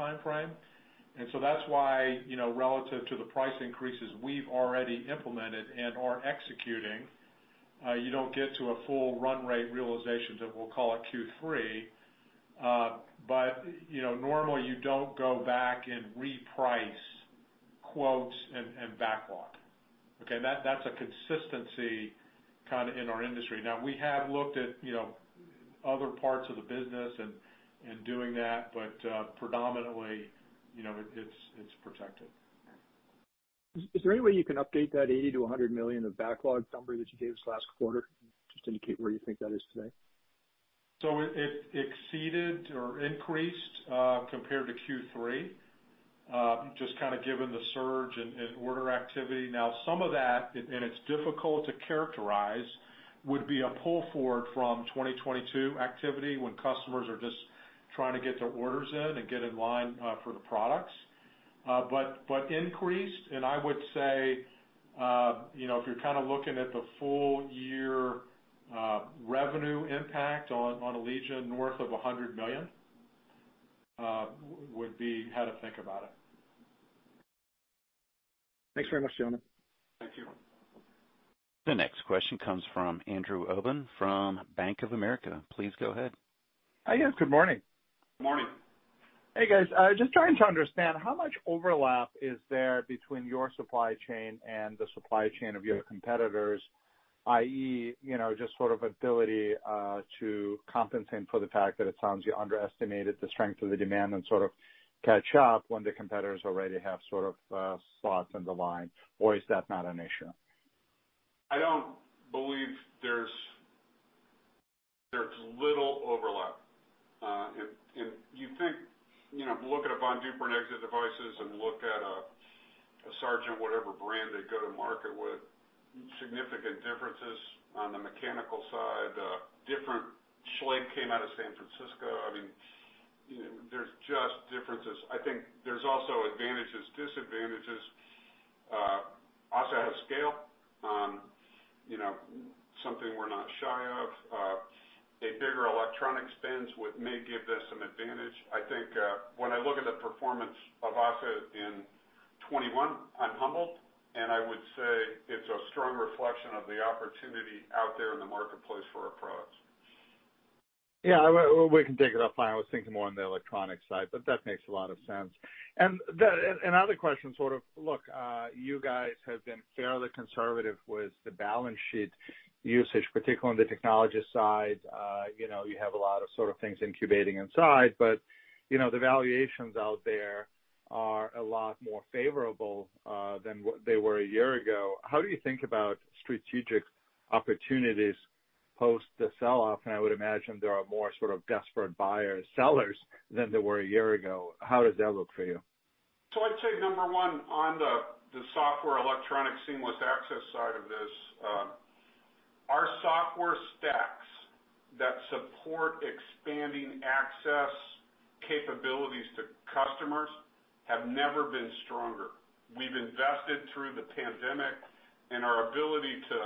timeframe. That's why, you know, relative to the price increases we've already implemented and are executing, you don't get to a full run rate realization till we'll call it Q3. You know, normally you don't go back and reprice quotes and backlog. Okay? That's a consistency kind of in our industry. Now, we have looked at, you know, other parts of the business in doing that, but, predominantly, you know, it's protected. Is there any way you can update that $80 million-$100 million backlog number that you gave us last quarter, just indicate where you think that is today? It exceeded or increased compared to Q3 just kind of given the surge and order activity. Now, some of that, and it's difficult to characterize, would be a pull forward from 2022 activity when customers are just trying to get their orders in and get in line for the products. Increased and I would say, you know, if you're kind of looking at the full year, revenue impact on Allegion, north of $100 million, would be how to think about it. Thanks very much, gentlemen. Thank you. The next question comes from Andrew Obin from Bank of America. Please go ahead. Hi. Yes, good morning. Morning. Hey, guys. Just trying to understand how much overlap is there between your supply chain and the supply chain of your competitors, i.e., you know, just sort of ability to compensate for the fact that it sounds you underestimated the strength of the demand and sort of catch up when the competitors already have sort of slots in the line, or is that not an issue? I don't believe there's little overlap. You think, you know, look at a Von Duprin exit devices and look at a Sargent, whatever brand they go to market with, significant differences on the mechanical side, different Schlage came out of San Francisco. I mean, you know, there's just differences. I think there's also advantages, disadvantages, also have scale, you know, something we're not shy of. A bigger electronics spend with ASSA may give this some advantage. I think, when I look at the performance of ASSA ABLOY in 2021, I'm humbled, and I would say it's a strong reflection of the opportunity out there in the marketplace for our products. Yeah. We can take it offline. I was thinking more on the electronic side, but that makes a lot of sense. Another question. Sort of, look, you guys have been fairly conservative with the balance sheet usage, particularly on the technology side. You know, you have a lot of sort of things incubating inside. You know, the valuations out there are a lot more favorable than what they were a year ago. How do you think about strategic opportunities post the sell-off? I would imagine there are more sort of desperate buyers, sellers than there were a year ago. How does that look for you? I'd say number one on the software electronic seamless access side of this, our software stacks that support expanding access capabilities to customers have never been stronger. We've invested through the pandemic and our ability to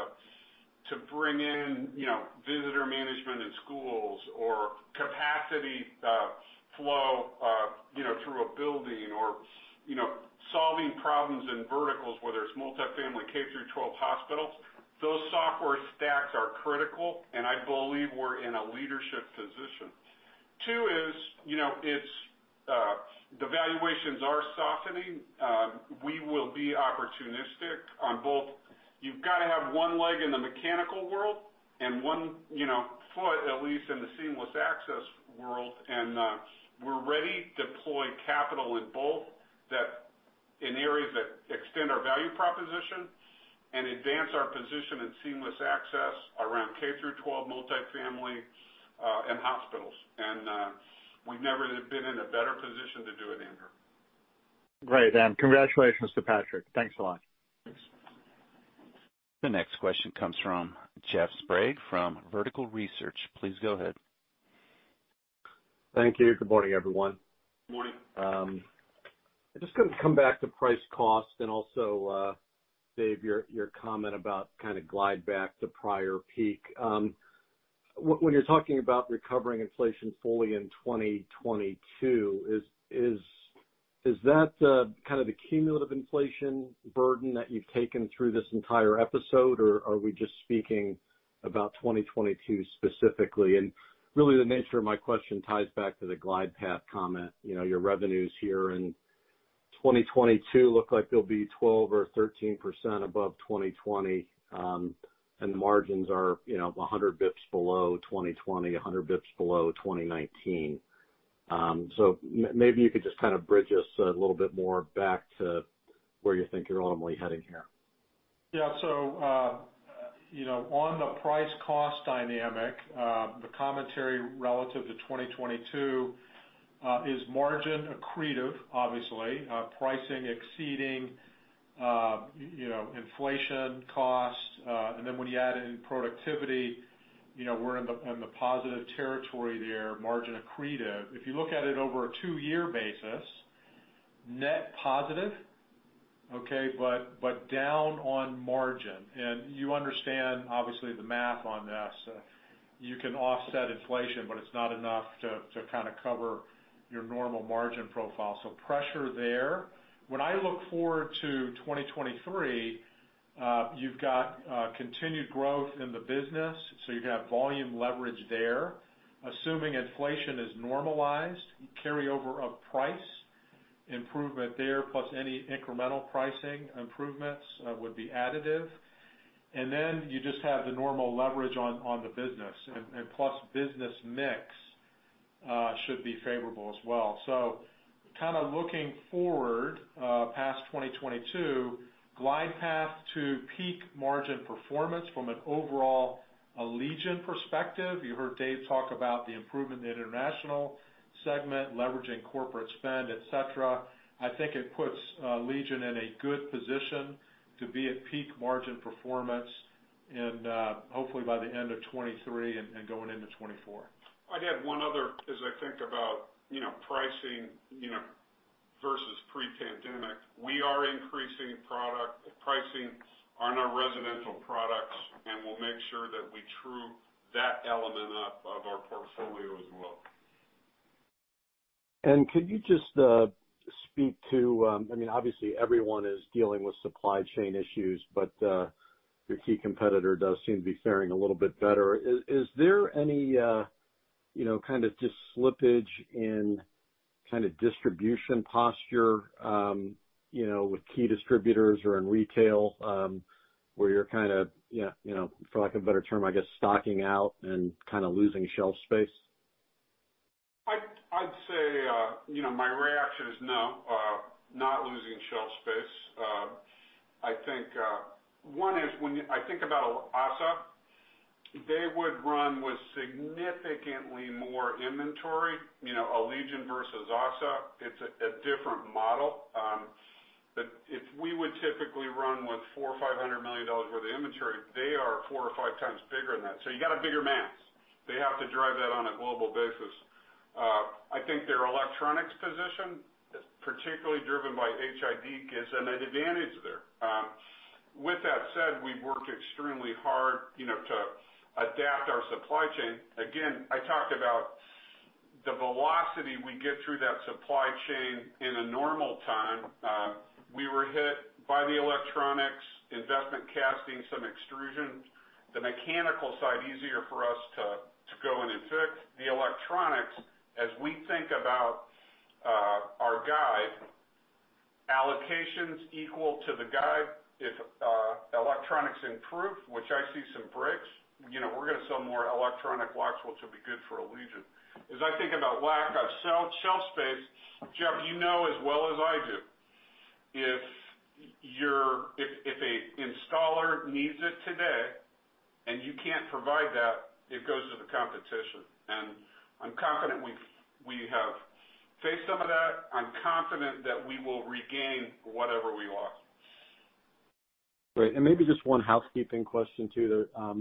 bring in, you know, visitor management in schools or capacity flow, you know, through a building or, you know, solving problems in verticals, whether it's multifamily K-12 hospitals, those software stacks are critical, and I believe we're in a leadership position. Two is, you know, it's the valuations are softening. We will be opportunistic on both. You've got to have one leg in the mechanical world and one, you know, foot at least in the seamless access world, and we're ready to deploy capital in both areas that extend our value proposition and advance our position in seamless access around K-12 multifamily, and hospitals. We've never been in a better position to do it, Andrew. Great. Congratulations to Patrick. Thanks a lot. Thanks. The next question comes from Jeff Sprague, from Vertical Research. Please go ahead. Thank you. Good morning, everyone. Morning. I'm just gonna come back to price cost and also, Dave, your comment about kind of glide back to prior peak. When you're talking about recovering inflation fully in 2022, is that kind of the cumulative inflation burden that you've taken through this entire episode, or are we just speaking about 2022 specifically? Really the nature of my question ties back to the glide path comment. You know, your revenues here in 2022 look like they'll be 12% or 13% above 2020, and the margins are, you know, 100 basis points below 2020, 100 basis points below 2019. Maybe you could just kind of bridge us a little bit more back to where you think you're ultimately heading here. Yeah. You know, on the price cost dynamic, the commentary relative to 2022 is margin accretive, obviously, pricing exceeding, you know, inflation cost. When you add in productivity, you know, we're in the positive territory there, margin accretive. If you look at it over a two-year basis, net positive, okay, but down on margin. You understand obviously the math on this. You can offset inflation, but it's not enough to kind of cover your normal margin profile. Pressure there. When I look forward to 2023, you've got continued growth in the business, so you've got volume leverage there. Assuming inflation is normalized, carryover of price improvement there, plus any incremental pricing improvements would be additive. You just have the normal leverage on the business and plus business mix should be favorable as well. Kinda looking forward past 2022, glide path to peak margin performance from an overall Allegion perspective, you heard Dave talk about the improvement in the international segment, leveraging corporate spend, et cetera. I think it puts Allegion in a good position to be at peak margin performance and hopefully by the end of 2023 and going into 2024. I'd add one other as I think about, you know, pricing, you know, versus pre-pandemic. We are increasing pricing on our residential products, and we'll make sure that we true that element up of our portfolio as well. Could you just speak to, I mean, obviously everyone is dealing with supply chain issues, but your key competitor does seem to be faring a little bit better. Is there any, you know, kind of just slippage in kind of distribution posture, you know, with key distributors or in retail, where you're kinda, yeah, you know, for lack of a better term, I guess, stocking out and kinda losing shelf space? I'd say you know my reaction is no not losing shelf space. I think one is when I think about ASSA they would run with significantly more inventory. You know Allegion versus ASSA it's a different model. But if we would typically run with $400 million-$500 million worth of inventory they are 4x or 5x bigger than that. So you got a bigger mass. They have to drive that on a global basis. I think their electronics position particularly driven by HID gives them an advantage there. With that said we've worked extremely hard you know to adapt our supply chain. Again I talked about the velocity we get through that supply chain in a normal time. We were hit by the electronics investment casting some extrusion. The mechanical side, easier for us to go in and fix. The electronics, as we think about our guide, allocations equal to the guide, if electronics improve, which I see some bricks, you know, we're gonna sell more electronic locks, which will be good for Allegion. As I think about lack of shelf space, Jeff, you know as well as I do, if your if an installer needs it today and you can't provide that, it goes to the competition. I'm confident we have faced some of that. I'm confident that we will regain whatever we lost. Great. Maybe just one housekeeping question, too, that,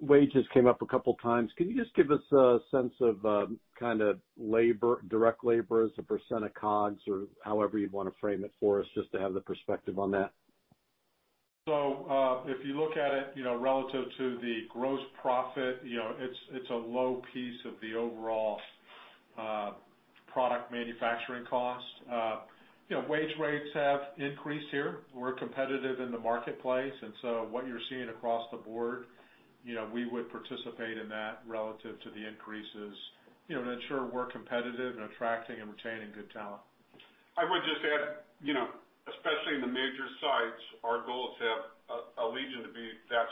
wages came up a couple times. Can you just give us a sense of, kinda labor, direct labor as a % of COGS or however you'd wanna frame it for us just to have the perspective on that? If you look at it, you know, relative to the gross profit, you know, it's a low piece of the overall product manufacturing cost. You know, wage rates have increased here. We're competitive in the marketplace, and so what you're seeing across the board, you know, we would participate in that relative to the increases, you know, and ensure we're competitive and attracting and retaining good talent. I would just add, you know, especially in the major sites, our goal is to have Allegion to be that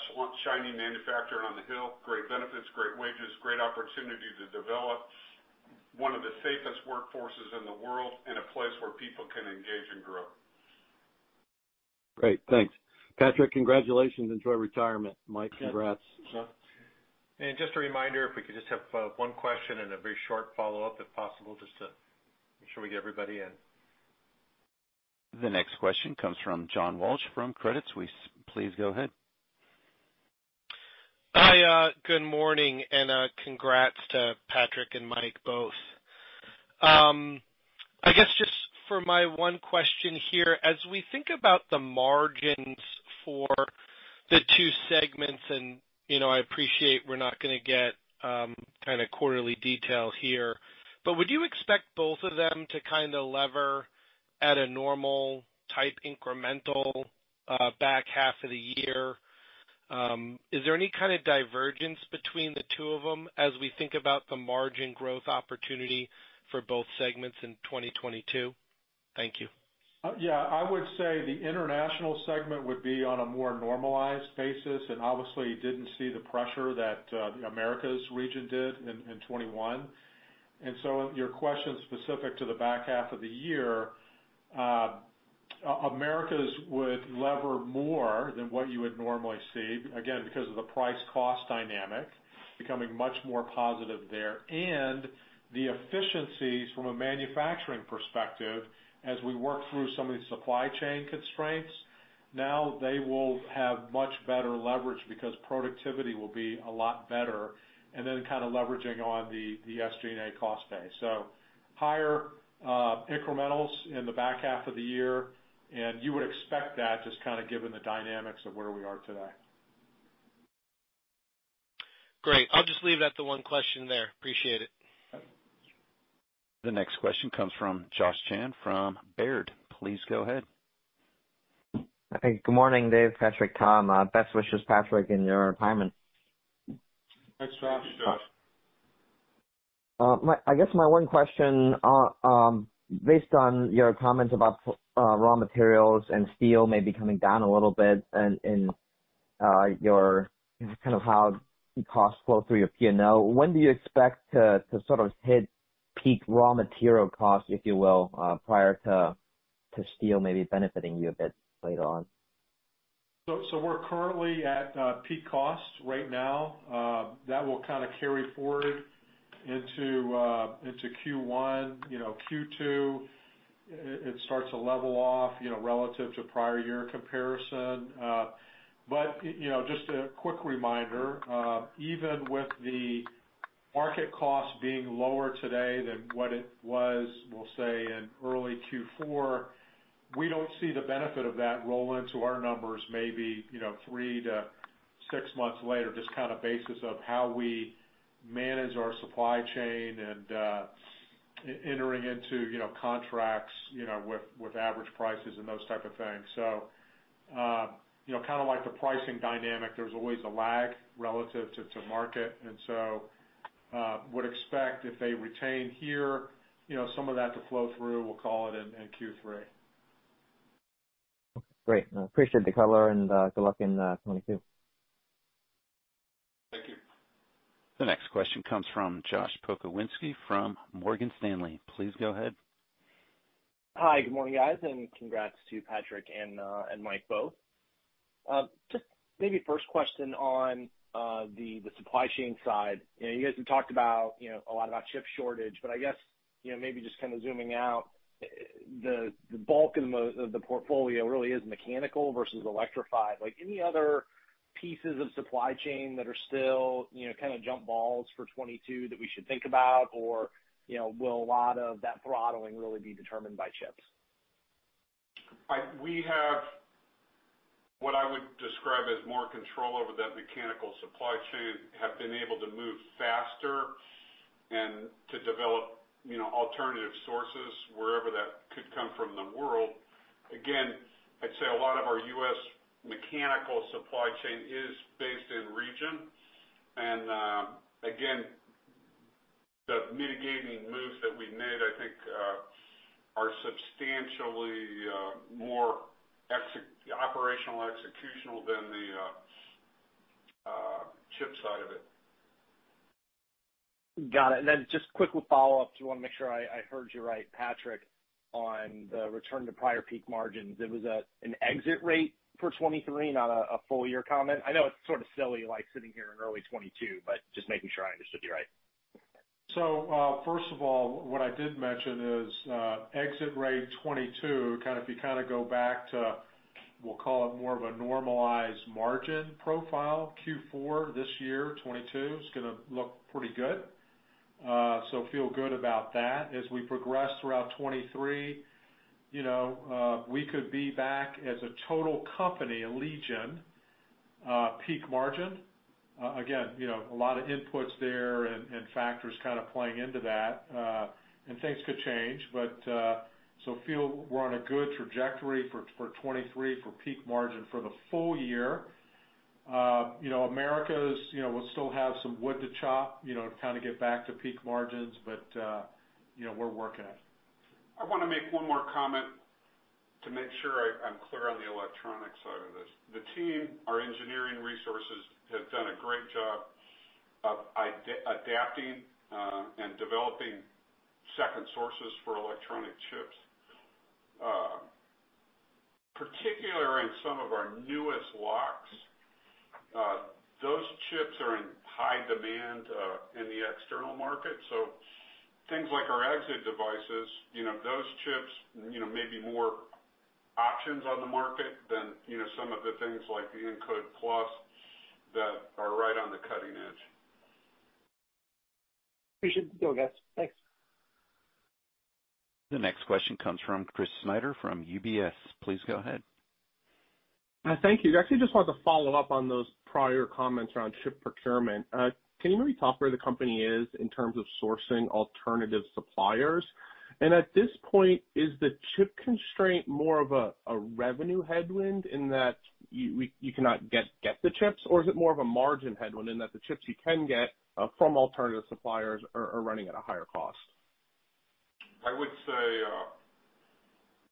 shining manufacturer on the hill, great benefits, great wages, great opportunity to develop, one of the safest workforces in the world, and a place where people can engage and grow. Great. Thanks. Patrick, congratulations. Enjoy retirement. Mike, congrats. Just a reminder, if we could just have one question and a very short follow-up, if possible, just to make sure we get everybody in. The next question comes from John Walsh from Credit Suisse. Please go ahead. Hi, good morning, and congrats to Patrick and Mike both. I guess just for my one question here, as we think about the margins for the two segments, and, you know, I appreciate we're not gonna get kinda quarterly detail here, but would you expect both of them to kinda leverage at a normal type incremental back half of the year? Is there any kind of divergence between the two of them as we think about the margin growth opportunity for both segments in 2022? Thank you. Yeah. I would say the International segment would be on a more normalized basis, and obviously you didn't see the pressure that the Americas region did in 2021. Your question is specific to the back half of the year. Americas would leverage more than what you would normally see, again, because of the price-cost dynamic becoming much more positive there. The efficiencies from a manufacturing perspective as we work through some of these supply chain constraints, now they will have much better leverage because productivity will be a lot better, and then leveraging on the SG&A cost base. Higher incrementals in the back half of the year, and you would expect that just given the dynamics of where we are today. Great. I'll just leave it at the one question there. Appreciate it. The next question comes from Joshua Chan from Baird. Please go ahead. Good morning, Dave, Patrick, Tom. Best wishes, Patrick, in your retirement. Thanks, Josh. Thanks, Josh. I guess my one question, based on your comments about raw materials and steel maybe coming down a little bit and in your kind of how the costs flow through your P&L, when do you expect to sort of hit peak raw material costs, if you will, prior to steel maybe benefiting you a bit later on? We're currently at peak costs right now. That will kind of carry forward into Q1. You know, Q2 it starts to level off, you know, relative to prior year comparison. You know, just a quick reminder, even with the market costs being lower today than what it was, we'll say in early Q4, we don't see the benefit of that roll into our numbers, maybe, you know, three to six months later, just kind of based on how we manage our supply chain and entering into, you know, contracts, you know, with average prices and those type of things. You know, kind of like the pricing dynamic, there's always a lag relative to market. would expect if they retain here, you know, some of that to flow through, we'll call it in Q3. Okay. Great. I appreciate the color and good luck in 2022. Thank you. The next question comes from Josh Pokrzywinski from Morgan Stanley. Please go ahead. Hi. Good morning, guys, and congrats to Patrick and Mike both. Just maybe first question on the supply chain side. You know, you guys have talked about, you know, a lot about chip shortage, but I guess, you know, maybe just kind of zooming out the bulk of the portfolio really is mechanical versus electrified. Like, any other pieces of supply chain that are still, you know, kind of jump balls for 2022 that we should think about? Or, you know, will a lot of that throttling really be determined by chips? We have what I would describe as more control over that mechanical supply chain, have been able to move faster and to develop, you know, alternative sources wherever that could come from in the world. Again, I'd say a lot of our U.S. mechanical supply chain is based in the region. Again, the mitigating moves that we made, I think, are substantially more executional than the chip side of it. Got it. Just quick follow-up to make sure I heard you right, Patrick, on the return to prior peak margins. It was an exit rate for 2023, not a full year comment? I know it's sort of silly, like, sitting here in early 2022, but just making sure I understood you right. First of all, what I did mention is, exit rate 2022, kind of, if you kind of go back to, we'll call it more of a normalized margin profile, Q4 this year, 2022, is gonna look pretty good. Feel good about that. As we progress throughout 2023, you know, we could be back as a total company, Allegion, peak margin. Again, you know, a lot of inputs there and factors kind of playing into that, and things could change. Feel we're on a good trajectory for 2023 for peak margin for the full year. You know, Americas, you know, will still have some wood to chop, you know, to kind of get back to peak margins. You know, we're working it. I wanna make one more comment to make sure I'm clear on the electronic side of this. The team, our engineering resources, have done a great job of adapting and developing second sources for electronic chips. Particularly in some of our newest locks, those chips are in high demand in the external market. Things like our exit devices, you know, those chips, you know, may be more options on the market than, you know, some of the things like the Encode™ Plus that are right on the cutting edge. appreciate the detail, guys. Thanks. The next question comes from Chris Snyder from UBS. Please go ahead. Thank you. Actually just wanted to follow up on those prior comments around chip procurement. Can you maybe talk where the company is in terms of sourcing alternative suppliers? At this point, is the chip constraint more of a revenue headwind in that you cannot get the chips? Or is it more of a margin headwind in that the chips you can get from alternative suppliers are running at a higher cost? I would say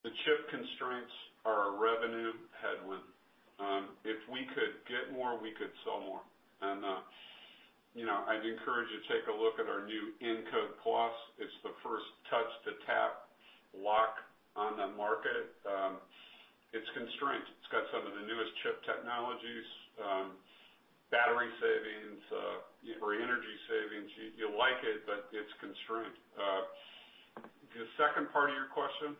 the chip constraints are a revenue headwind. If we could get more, we could sell more. You know, I'd encourage you to take a look at our new Encode Plus. It's the first touch-to-tap lock on the market. It's constrained. It's got some of the newest chip technologies, battery savings, or energy savings. You'll like it, but it's constrained. The second part of your question?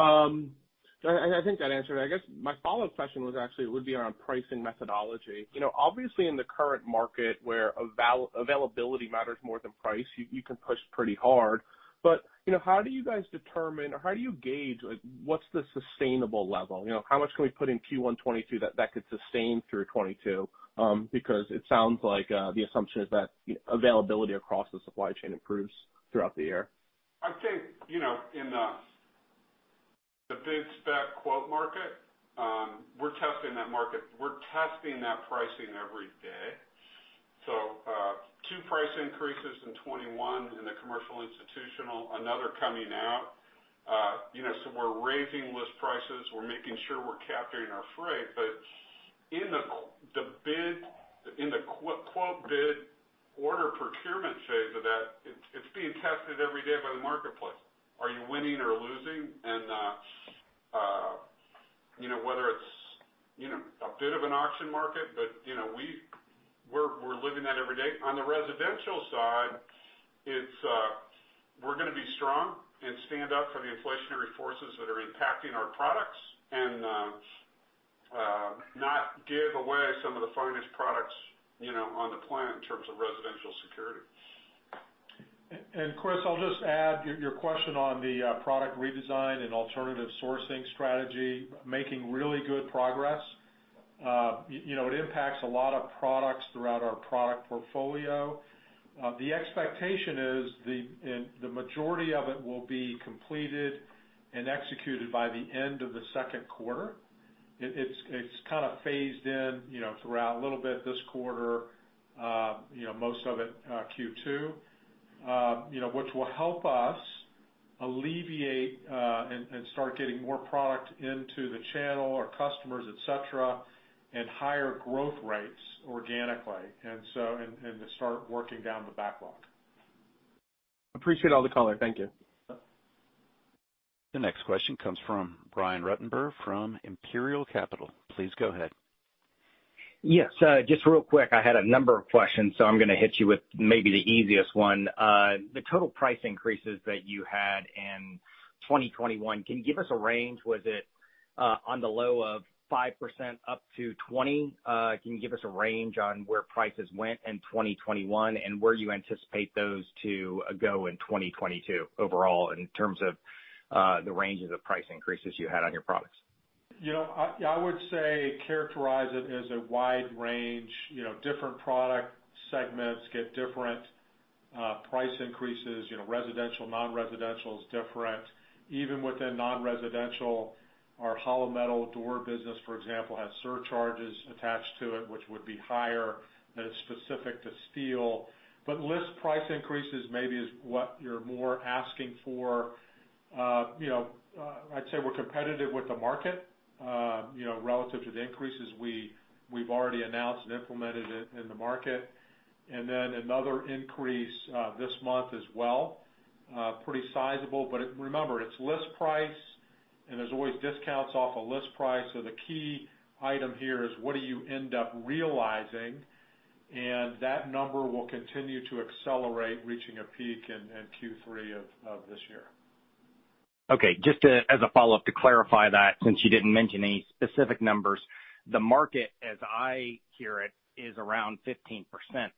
I think that answered it. I guess my follow-up question was actually would be around pricing methodology. You know, obviously, in the current market where availability matters more than price, you can push pretty hard. You know, how do you guys determine or how do you gauge, like what's the sustainable level? You know, how much can we put in Q1 2022 that could sustain through 2022? Because it sounds like the assumption is that availability across the supply chain improves throughout the year. I think, you know, in the bid spec quote market, we're testing that market. We're testing that pricing every day. Two price increases in 2021 in the commercial institutional, another coming out. You know, so we're raising list prices. We're making sure we're capturing our freight. But in the bid in the quote bid order procurement phase of that, it's being tested every day by the marketplace. Are you winning or losing? You know, whether it's, you know, a bit of an auction market, but, you know, we're living that every day. On the residential side, we're gonna be strong and stand up for the inflationary forces that are impacting our products and not give away some of the finest products, you know, on the planet in terms of residential security. Chris, I'll just add, your question on the product redesign and alternative sourcing strategy making really good progress. You know, it impacts a lot of products throughout our product portfolio. The expectation is that the majority of it will be completed and executed by the end of the second quarter. It's kinda phased in, you know, throughout a little bit this quarter, you know, most of it Q2, you know, which will help us alleviate and start getting more product into the channel, our customers, et cetera, and higher growth rates organically and to start working down the backlog. Appreciate all the color. Thank you. The next question comes from Brian Ruttenbur from Imperial Capital. Please go ahead. Yes. Just real quick, I had a number of questions, so I'm gonna hit you with maybe the easiest one. The total price increases that you had in 2021, can you give us a range? Was it on the low of 5%-20%? Can you give us a range on where prices went in 2021 and where you anticipate those to go in 2022 overall in terms of the ranges of price increases you had on your products? You know, I would say characterize it as a wide range. You know, different product segments get different price increases. You know, residential, non-residential is different. Even within non-residential, our hollow metal door business, for example, has surcharges attached to it, which would be higher than is specific to steel. But list price increases maybe is what you're more asking for. You know, I'd say we're competitive with the market. You know, relative to the increases, we've already announced and implemented it in the market. Then another increase this month as well, pretty sizable. But remember, it's list price and there's always discounts off of list price. So the key item here is what do you end up realizing? That number will continue to accelerate, reaching a peak in Q3 of this year. Okay. Just, as a follow-up to clarify that, since you didn't mention any specific numbers, the market, as I hear it, is around 15%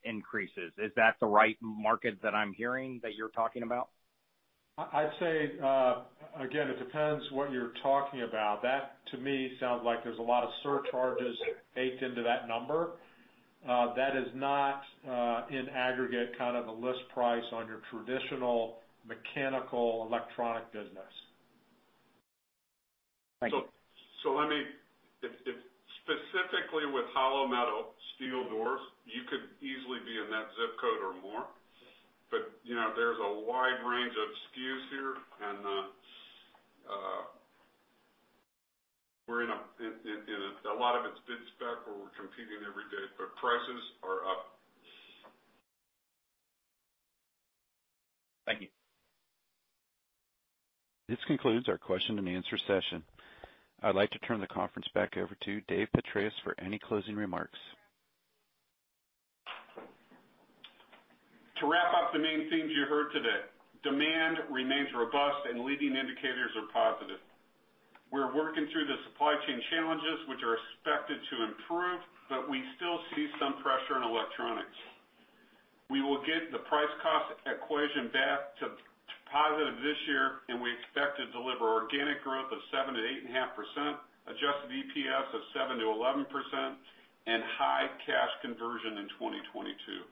increases. Is that the right market that I'm hearing that you're talking about? I'd say, again, it depends what you're talking about. That, to me, sounds like there's a lot of surcharges baked into that number. That is not in aggregate kind of a list price on your traditional mechanical electronic business. Thank you. If specifically with hollow metal steel doors, you could easily be in that zip code or more. You know, there's a wide range of SKUs here and we're in a lot of it's bid spec where we're competing every day, but prices are up. Thank you. This concludes our question and answer session. I'd like to turn the conference back over to Dave Petratis for any closing remarks. To wrap up the main themes you heard today, demand remains robust and leading indicators are positive. We're working through the supply chain challenges, which are expected to improve, but we still see some pressure in electronics. We will get the price cost equation back to positive this year, and we expect to deliver organic growth of 7%-8.5%, adjusted EPS of 7%-11%, and high cash conversion in 2022.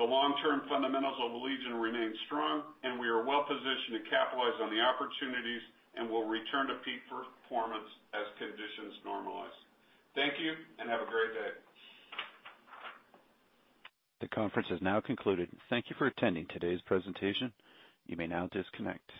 The long-term fundamentals of Allegion remain strong, and we are well-positioned to capitalize on the opportunities and will return to peak performance as conditions normalize. Thank you, and have a great day. The conference has now concluded. Thank you for attending today's presentation. You may now disconnect.